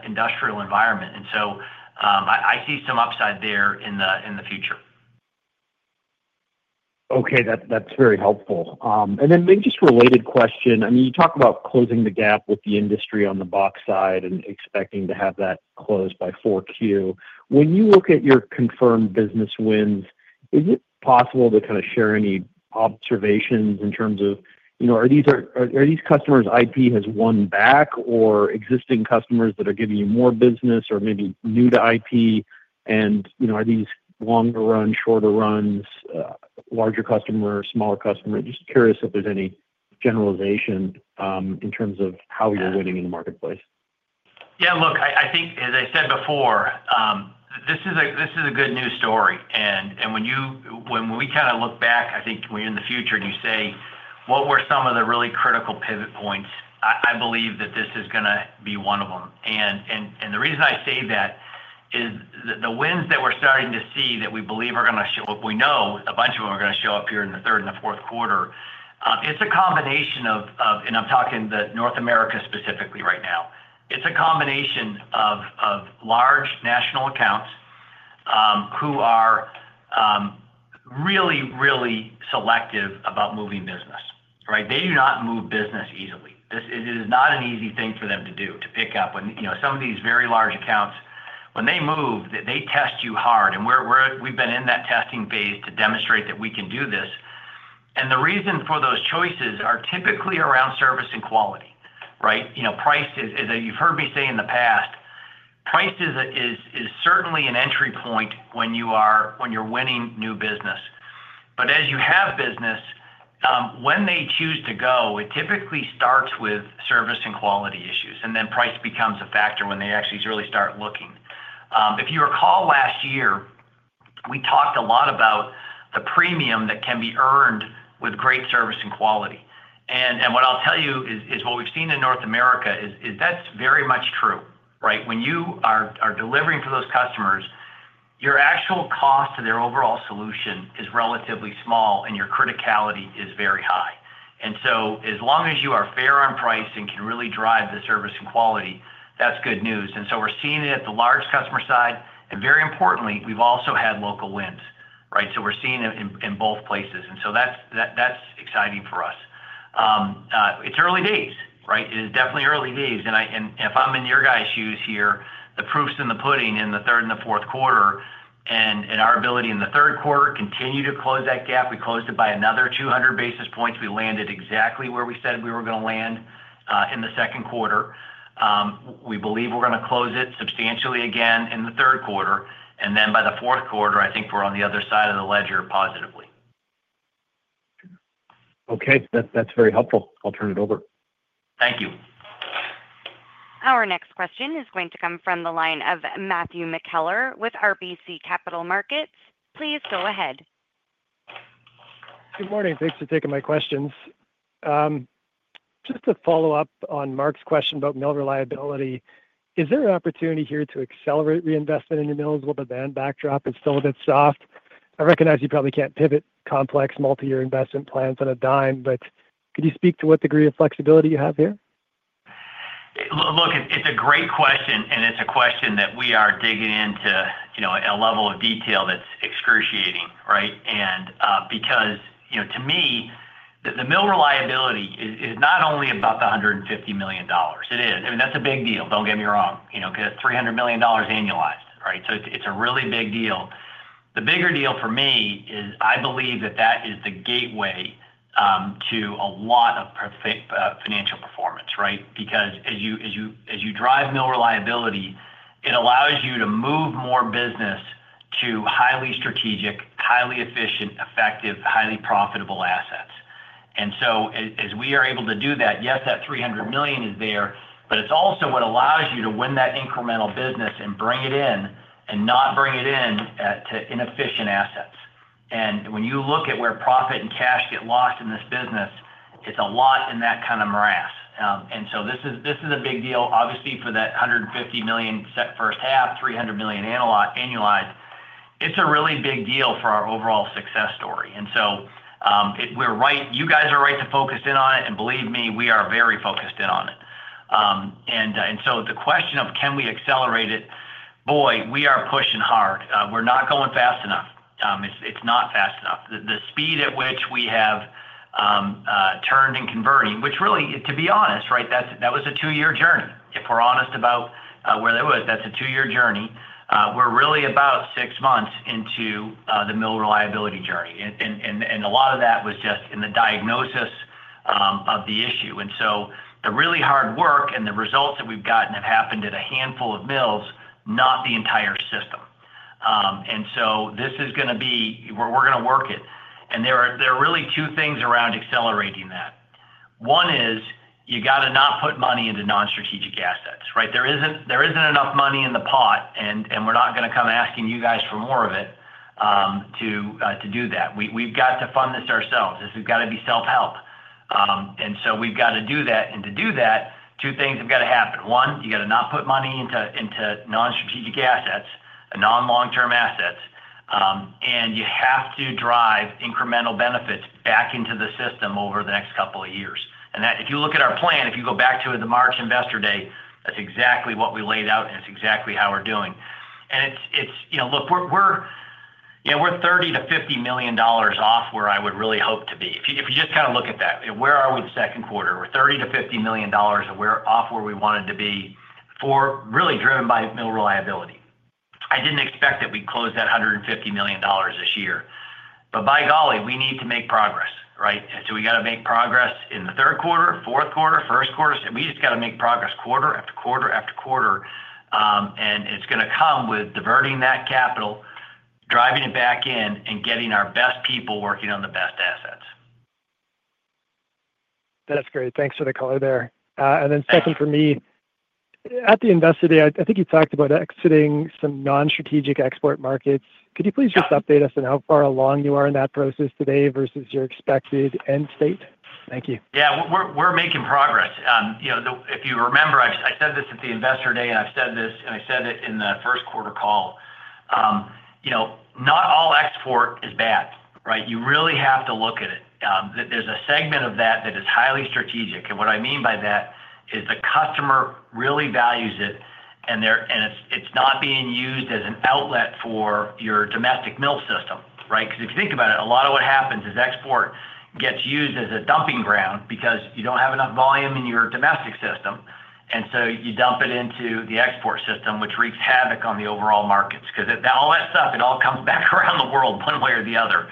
industrial environment. I see some upside there in the future. Okay. That's very helpful. Maybe just a related question. I mean, you talk about closing the gap with the industry on the box side and expecting to have that closed by 4Q. When you look at your confirmed business wins, is it possible to kind of share any observations in terms of, are these customers IP has won back or existing customers that are giving you more business or maybe new to IP? Are these longer runs, shorter runs, larger customers, smaller customers? Just curious if there's any generalization in terms of how you're winning in the marketplace. Yeah. Look, I think, as I said before, this is a good news story. When we kind of look back, I think we're in the future, and you say, "What were some of the really critical pivot points?" I believe that this is going to be one of them. The reason I say that is the wins that we're starting to see that we believe are going to show up, we know a bunch of them are going to show up here in the third and the fourth quarter. It's a combination of, and I'm talking to North America specifically right now, large national accounts who are really, really selective about moving business, right? They do not move business easily. It is not an easy thing for them to do, to pick up. Some of these very large accounts, when they move, they test you hard. We've been in that testing phase to demonstrate that we can do this. The reason for those choices are typically around service and quality, right? Price is, as you've heard me say in the past, certainly an entry point when you're winning new business. As you have business, when they choose to go, it typically starts with service and quality issues. Price becomes a factor when they actually really start looking. If you recall last year, we talked a lot about the premium that can be earned with great service and quality. What I'll tell you is what we've seen in North America is that's very much true, right? When you are delivering for those customers, your actual cost to their overall solution is relatively small, and your criticality is very high. As long as you are fair on price and can really drive the service and quality, that's good news. We're seeing it at the large customer side. Very importantly, we've also had local wins, right? We're seeing it in both places, and that's exciting for us. It's early days, right? It is definitely early days. If I'm in your guy's shoes here, the proof's in the pudding in the third and the fourth quarter. Our ability in the third quarter continued to close that gap. We closed it by another 200 basis points. We landed exactly where we said we were going to land in the second quarter. We believe we're going to close it substantially again in the third quarter. By the fourth quarter, I think we're on the other side of the ledger positively. Okay, that's very helpful. I'll turn it over. Thank you. Our next question is going to come from the line of Matthew McKellar with RBC Capital Markets. Please go ahead. Good morning. Thanks for taking my questions. Just to follow up on Mark's question about mill reliability, is there an opportunity here to accelerate reinvestment in your mills? Will the demand backdrop be still a bit soft? I recognize you probably can't pivot complex multi-year investment plans on a dime, but could you speak to what degree of flexibility you have here? Look, it's a great question, and it's a question that we are digging into at a level of detail that's excruciating, right? Because to me, the mill reliability is not only about the $150 million. It is. I mean, that's a big deal, don't get me wrong, because it's $300 million annualized, right? It's a really big deal. The bigger deal for me is I believe that that is the gateway to a lot of financial performance, right? As you drive mill reliability, it allows you to move more business to highly strategic, highly efficient, effective, highly profitable assets. As we are able to do that, yes, that $300 million is there, but it's also what allows you to win that incremental business and bring it in and not bring it in to inefficient assets. When you look at where profit and cash get lost in this business, it's a lot in that kind of morass. This is a big deal, obviously, for that $150 million set first half, $300 million annualized. It's a really big deal for our overall success story. You guys are right to focus in on it, and believe me, we are very focused in on it. The question of can we accelerate it? Boy, we are pushing hard. We're not going fast enough. It's not fast enough. The speed at which we have turned and converting, which really, to be honest, that was a two-year journey. If we're honest about where that was, that's a two-year journey. We're really about six months into the mill reliability journey, and a lot of that was just in the diagnosis of the issue. The really hard work and the results that we've gotten have happened at a handful of mills, not the entire system. This is going to be where we're going to work it. There are really two things around accelerating that. One is you got to not put money into non-strategic assets, right? There isn't enough money in the pot, and we're not going to come asking you guys for more of it to do that. We've got to fund this ourselves. This has got to be self-help. We've got to do that. To do that, two things have got to happen. One, you got to not put money into non-strategic assets, non-long-term assets. You have to drive incremental benefits back into the system over the next couple of years. If you look at our plan, if you go back to the March Investor Day, that's exactly what we laid out, and it's exactly how we're doing. Yeah, we're $30 million-$50 million off where I would really hope to be. If you just kind of look at that, where are we the second quarter? We're $30-$50 million off where we wanted to be, really driven by mill reliability. I didn't expect that we'd close that $150 million this year. By golly, we need to make progress, right? We got to make progress in the third quarter, fourth quarter, first quarter. We just got to make progress quarter after quarter after quarter. It's going to come with diverting that capital, driving it back in, and getting our best people working on the best assets. That's great. Thanks for the color there. At the Investor Day, I think you talked about exiting some non-strategic export markets. Could you please just update us on how far along you are in that process today versus your expected end state? Thank you. Yeah. We're making progress. If you remember, I said this at the Investor Day, and I've said this, and I said it in the first quarter call. Not all export is bad, right? You really have to look at it. There's a segment of that that is highly strategic. What I mean by that is the customer really values it, and it's not being used as an outlet for your domestic mill system, right? If you think about it, a lot of what happens is export gets used as a dumping ground because you don't have enough volume in your domestic system, and you dump it into the export system, which wreaks havoc on the overall markets. All that stuff, it all comes back around the world one way or the other.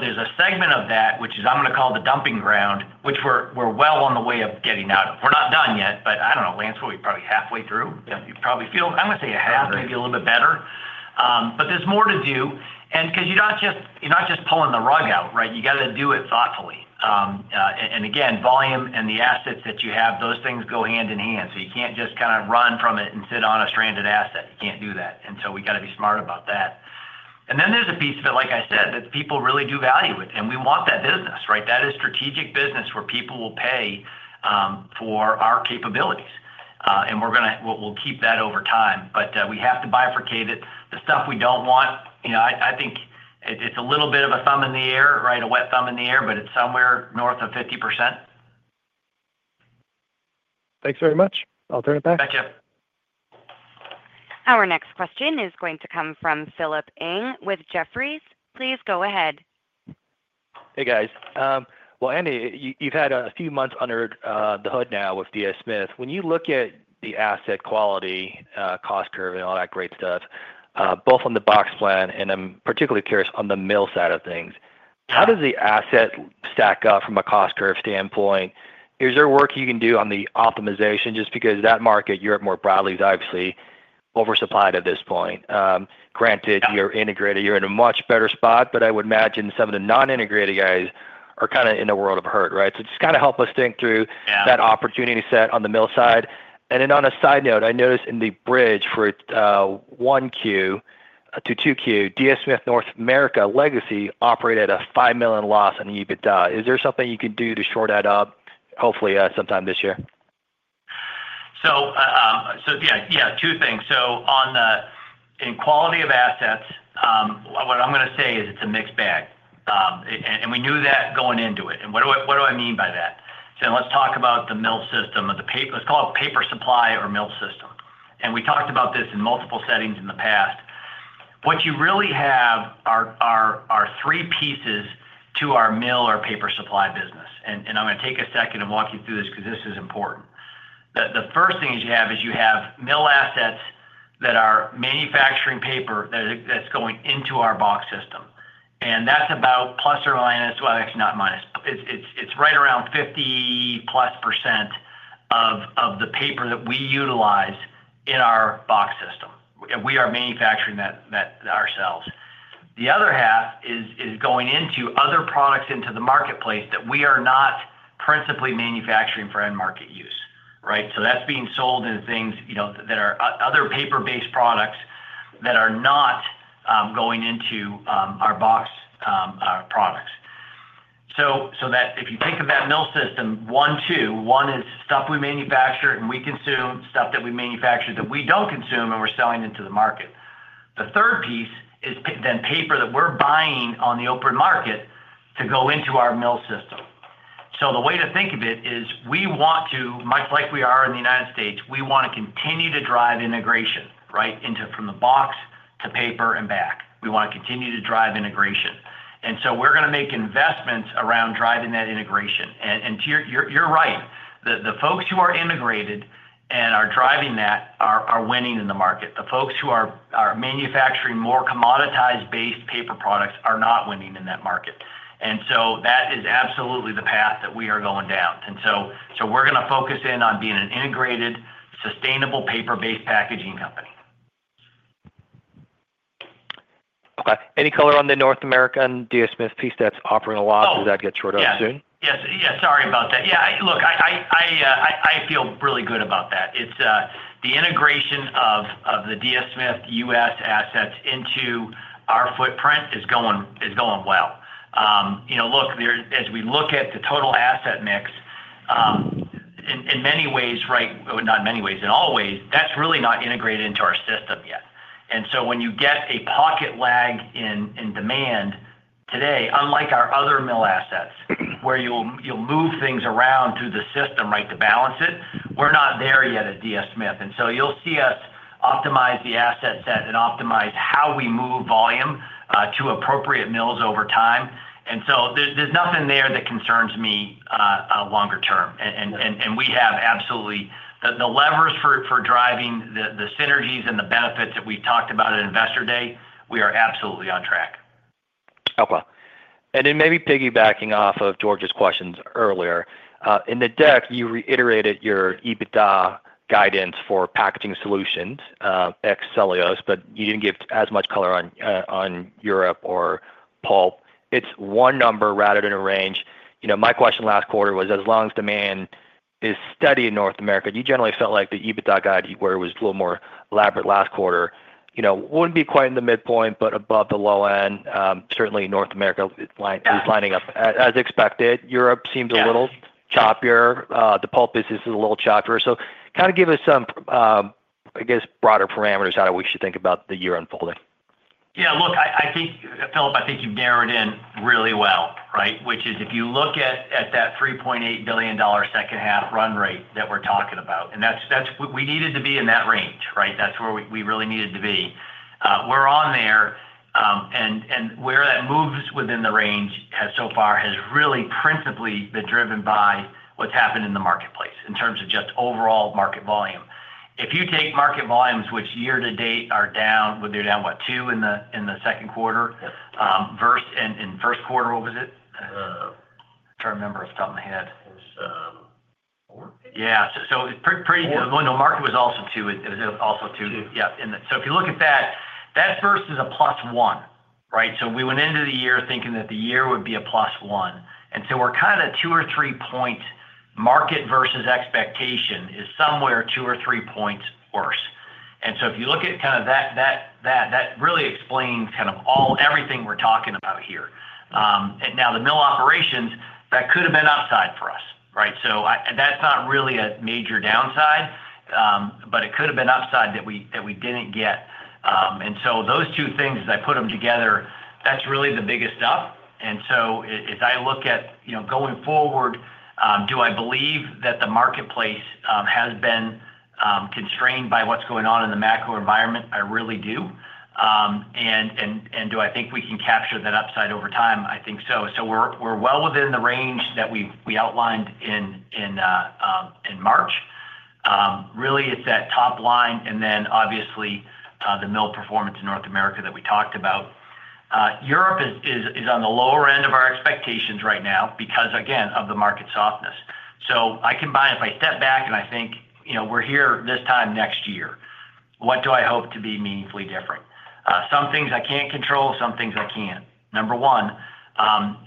There's a segment of that, which is, I'm going to call the dumping ground, which we're well on the way of getting out of. We're not done yet, but I don't know, Lance, we're probably halfway through. You probably feel, I'm going to say a half, maybe a little bit better. There's more to do because you're not just pulling the rug out, right? You got to do it thoughtfully. Volume and the assets that you have, those things go hand in hand. You can't just kind of run from it and sit on a stranded asset. You can't do that. We got to be smart about that. There's a piece of it, like I said, that people really do value. We want that business, right? That is strategic business where people will pay for our capabilities, and we'll keep that over time. We have to bifurcate it. The stuff we don't want, I think it's a little bit of a thumb in the air, right? A wet thumb in the air, but it's somewhere north of 50%. Thanks very much. I'll turn it back. Thank you. Our next question is going to come from Philip Ng with Jefferies. Please go ahead. Hey, guys. Andy, you've had a few months under the hood now with DS Smith. When you look at the asset quality, cost curve, and all that great stuff, both on the box plant, and I'm particularly curious on the mill side of things, how does the asset stack up from a cost curve standpoint? Is there work you can do on the optimization? Just because that market, Europe more broadly, is obviously oversupplied at this point. Granted, you're integrated, you're in a much better spot, but I would imagine some of the non-integrated guys are kind of in a world of hurt, right? Just kind of help us think through that opportunity set on the mill side. On a side note, I noticed in the bridge for 1Q to 2Q, DS Smith North America legacy operated at a $5 million loss in EBITDA. Is there something you can do to shore that up, hopefully sometime this year? Two things. In quality of assets, what I'm going to say is it's a mixed bag. We knew that going into it. What do I mean by that? Let's talk about the mill system or the paper, let's call it paper supply or mill system. We talked about this in multiple settings in the past. What you really have are three pieces to our mill or paper supply business. I'm going to take a second and walk you through this because this is important. The first thing you have is mill assets that are manufacturing paper that's going into our box system. That's about, plus or minus, actually not minus, it's right around +50% of the paper that we utilize in our box system. We are manufacturing that ourselves. The other half is going into other products in the marketplace that we are not principally manufacturing for end market use, right? That's being sold in things that are other paper-based products that are not going into our box products. If you think of that mill system, one, two, one is stuff we manufacture and we consume, stuff that we manufacture that we don't consume and we're selling into the market. The third piece is paper that we're buying on the open market to go into our mill system. The way to think of it is we want to, much like we are in the United States, continue to drive integration, right, from the box, to paper, and back. We want to continue to drive integration. We're going to make investments around driving that integration. You're right. The folks who are integrated and are driving that are winning in the market. The folks who are manufacturing more commoditized-based paper products are not winning in that market. That is absolutely the path that we are going down. We're going to focus in on being an integrated, sustainable paper-based packaging company. Okay. Any color on the North American DS Smith piece that's offering a loss? Does that get shortened up soon? Yes. Yeah. Sorry about that. Yeah. Look, I feel really good about that. The integration of the DS Smith U.S. assets into our footprint is going well. Look, as we look at the total asset mix, in many ways, right, not in many ways, in all ways, that's really not integrated into our system yet. When you get a pocket lag in demand today, unlike our other mill assets where you'll move things around through the system to balance it, we're not there yet at DS Smith. You'll see us optimize the asset set and optimize how we move volume to appropriate mills over time. There's nothing there that concerns me longer term. We have absolutely the levers for driving the synergies and the benefits that we talked about at Investor Day, we are absolutely on track. Okay. Maybe piggybacking off of George's questions earlier, in the deck, you reiterated your EBITDA guidance for Packaging Solutions, ex-Cellulose, but you didn't give as much color on Europe or pulp. It's one number rather than a range. My question last quarter was, as long as demand is steady in North America, you generally felt like the EBITDA guide where it was a little more elaborate last quarter wouldn't be quite in the midpoint, but above the low end. Certainly, North America is lining up as expected. Europe seems a little choppier. The pulp business is a little choppier. Give us some, I guess, broader parameters on how we should think about the year unfolding. Yeah. Look, Philip, I think you've narrowed in really well, right? If you look at that $3.8 billion second-half run rate that we're talking about, we needed to be in that range, right? That's where we really needed to be. We're on there. Where that moves within the range so far has really principally been driven by what's happened in the marketplace in terms of just overall market volume. If you take market volumes, which year to date are down, what, two in the second quarter? First quarter, what was it? I'm trying to remember off the top of my head. It was four? Yeah, pretty good. The market was also two. It was also two. If you look at that, that first is a +1, right? We went into the year thinking that the year would be a +1, and we're kind of two or three points market versus expectation is somewhere two or three points worse. If you look at kind of that, that really explains everything we're talking about here. Now, the mill operations, that could have been upside for us, right? That's not really a major downside, but it could have been upside that we didn't get. Those two things, as I put them together, that's really the biggest stuff. As I look at going forward, do I believe that the marketplace has been constrained by what's going on in the macro environment? I really do. Do I think we can capture that upside over time? I think so. We're well within the range that we outlined in March. Really, it's that top line, and then obviously the mill performance in North America that we talked about. Europe is on the lower end of our expectations right now because, again, of the market softness. If I step back and I think we're here this time next year, what do I hope to be meaningfully different? Some things I can't control, some things I can. Number one,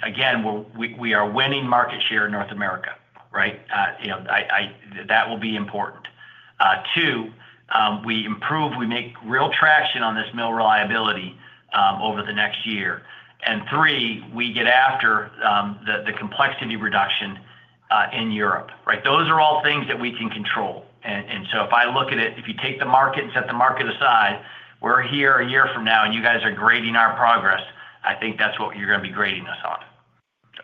again, we are winning market share in North America, right? That will be important. Two, we improve, we make real traction on this mill reliability over the next year. Three, we get after the complexity reduction in Europe, right? Those are all things that we can control. If I look at it, if you take the market and set the market aside, we're here a year from now, and you guys are grading our progress, I think that's what you're going to be grading us on.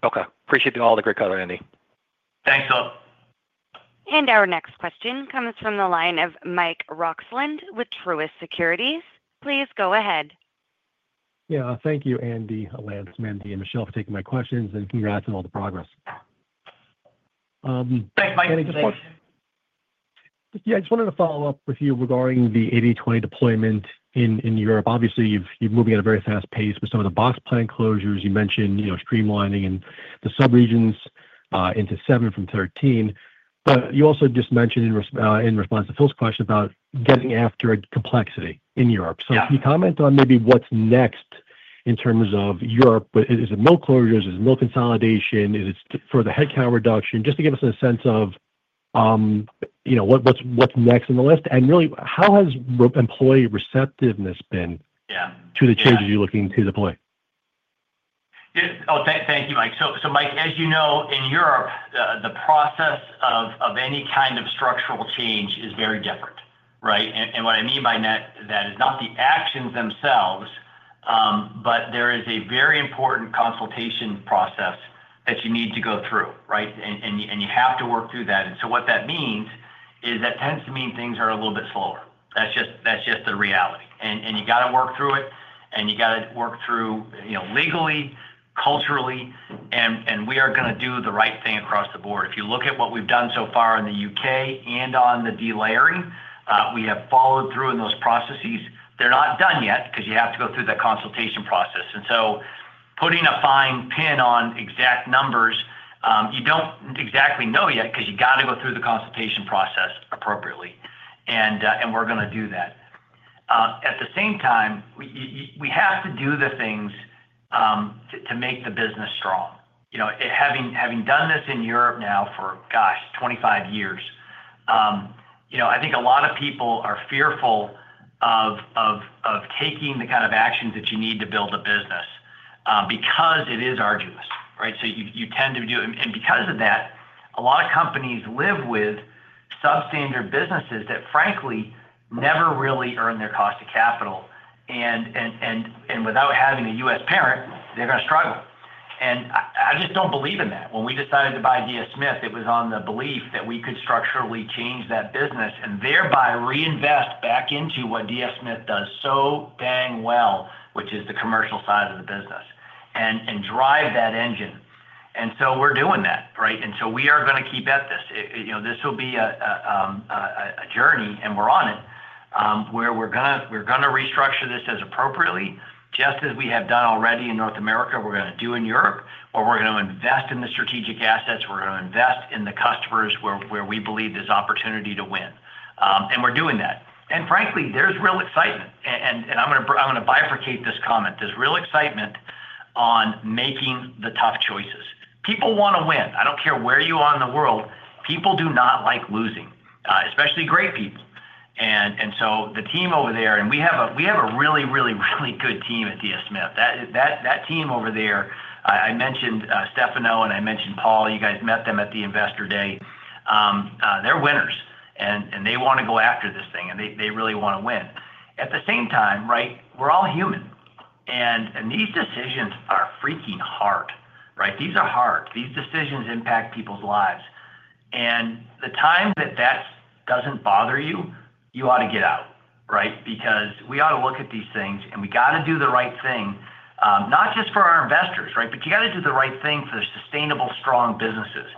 Okay, appreciate all the great color, Andy. Thanks, Philip. Our next question comes from the line of Mike Roxland with Truist Securities. Please go ahead. Yeah. Thank you, Andy, Lance, Mandi, and Michele for taking my questions and congrats on all the progress. Thanks, Mike. Yeah. I just wanted to follow up with you regarding the 80/20 operational model deployment in Europe. Obviously, you're moving at a very fast pace with some of the box plant closures. You mentioned streamlining the subregions into seven from 13, but you also just mentioned in response to Phil's question about getting after complexity in Europe. Can you comment on maybe what's next in terms of Europe? Is it mill closures? Is it mill consolidation? Is it further headcount reduction? Just to give us a sense of what's next in the list. Really, how has employee receptiveness been to the changes you're looking to deploy? Oh, thank you, Mike. Mike, as you know, in Europe, the process of any kind of structural change is very different, right? What I mean by that is not the actions themselves, but there is a very important consultation process that you need to go through, right? You have to work through that. What that means is that tends to mean things are a little bit slower. That's just the reality. You have to work through it, and you have to work through legally, culturally, and we are going to do the right thing across the board. If you look at what we've done so far in the U.K. and on the delayering, we have followed through in those processes. They're not done yet because you have to go through the consultation process. Putting a fine pin on exact numbers, you don't exactly know yet because you have to go through the consultation process appropriately. We're going to do that. At the same time, we have to do the things to make the business strong. Having done this in Europe now for, gosh, 25 years, I think a lot of people are fearful of taking the kind of actions that you need to build a business because it is arduous, right? You tend to do it. Because of that, a lot of companies live with substandard businesses that, frankly, never really earn their cost of capital. Without having a U.S. parent, they're going to struggle. I just don't believe in that. When we decided to buy DS Smith, it was on the belief that we could structurally change that business and thereby reinvest back into what DS Smith does so dang well, which is the commercial side of the business, and drive that engine. We're doing that, right? We are going to keep at this. This will be a journey, and we're on it, where we're going to restructure this as appropriately, just as we have done already in North America, we're going to do in Europe, or we're going to invest in the strategic assets, we're going to invest in the customers where we believe there's opportunity to win. We're doing that. Frankly, there's real excitement. I'm going to bifurcate this comment. There's real excitement on making the tough choices. People want to win. I don't care where you are in the world. People do not like losing, especially great people. The team over there, and we have a really, really, really good team at DS Smith. That team over there, I mentioned Stefano, and I mentioned Paul, you guys met them at the Investor Day. They're winners, and they want to go after this thing, and they really want to win. At the same time, we're all human. These decisions are freaking hard, right? These are hard. These decisions impact people's lives. The time that that doesn't bother you, you ought to get out, right? We ought to look at these things, and we got to do the right thing, not just for our investors, right? You got to do the right thing for sustainable, strong businesses.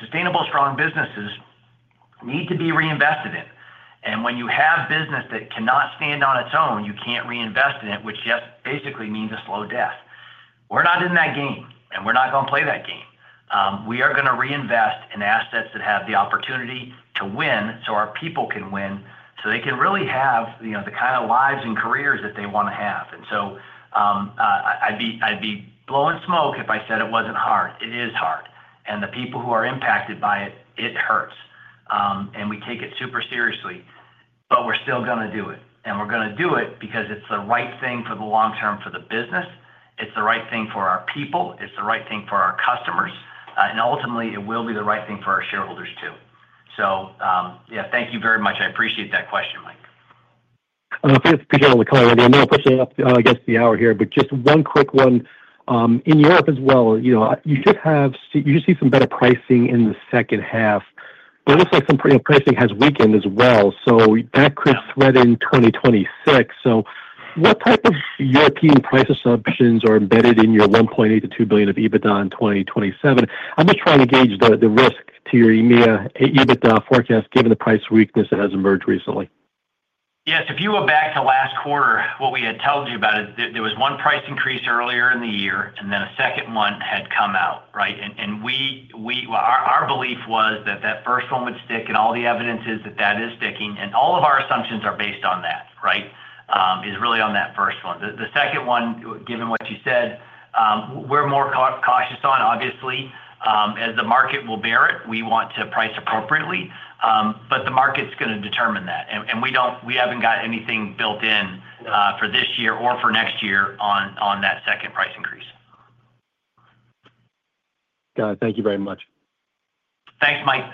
Sustainable, strong businesses need to be reinvested in. When you have business that cannot stand on its own, you can't reinvest in it, which basically means a slow death. We're not in that game, and we're not going to play that game. We are going to reinvest in assets that have the opportunity to win so our people can win, so they can really have the kind of lives and careers that they want to have. I'd be blowing smoke if I said it wasn't hard. It is hard. The people who are impacted by it, it hurts. We take it super seriously, but we're still going to do it. We're going to do it because it's the right thing for the long term for the business. It's the right thing for our people. It's the right thing for our customers. Ultimately, it will be the right thing for our shareholders too. Thank you very much. I appreciate that question, Mike. Appreciate all the clarity. I know I'll push it up against the hour here, but just one quick one. In Europe as well, you should see some better pricing in the second half. It looks like some pricing has weakened as well, which could threaten 2026. What type of European price assumptions are embedded in your $1.8-$2 billion of EBITDA in 2027? I'm just trying to gauge the risk to your EBITDA forecast given the price weakness that has emerged recently. Yes. If you go back to last quarter, what we had told you about it, there was one price increase earlier in the year, and then a second one had come out, right? Our belief was that that first one would stick, and all the evidence is that that is sticking. All of our assumptions are based on that, right? It is really on that first one. The second one, given what you said, we're more cautious on, obviously, as the market will bear it. We want to price appropriately. The market's going to determine that. We haven't got anything built in for this year or for next year on that second price increase. Got it. Thank you very much. Thanks, Mike.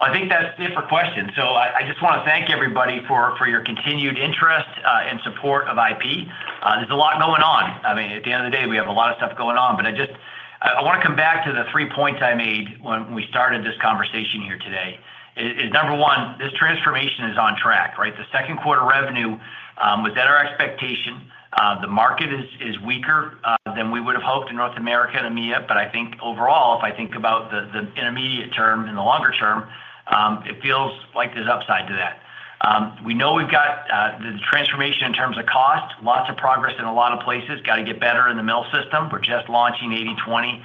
I think that's it for questions. I just want to thank everybody for your continued interest and support of IP. There's a lot going on. At the end of the day, we have a lot of stuff going on. I want to come back to the three points I made when we started this conversation here today. Number one, this transformation is on track, right? The second quarter revenue was at our expectation. The market is weaker than we would have hoped in North America and EMEA, but I think overall, if I think about the intermediate term and the longer term, it feels like there's upside to that. We know we've got the transformation in terms of cost, lots of progress in a lot of places, got to get better in the mill system. We're just launching 80/20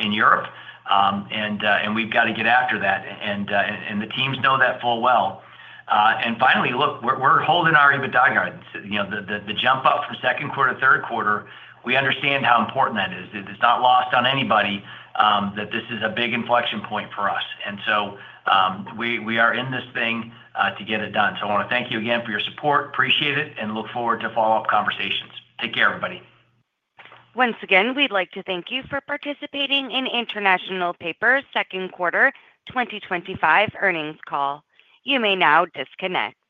in Europe, and we've got to get after that. The teams know that full well. Finally, look, we're holding our EBITDA guidance. The jump up from second quarter to third quarter, we understand how important that is. It's not lost on anybody that this is a big inflection point for us. We are in this thing to get it done. I want to thank you again for your support. Appreciate it and look forward to follow-up conversations. Take care, everybody. Once again, we'd like to thank you for participating in International Paper's Second Quarter 2025 Earnings Call. You may now disconnect.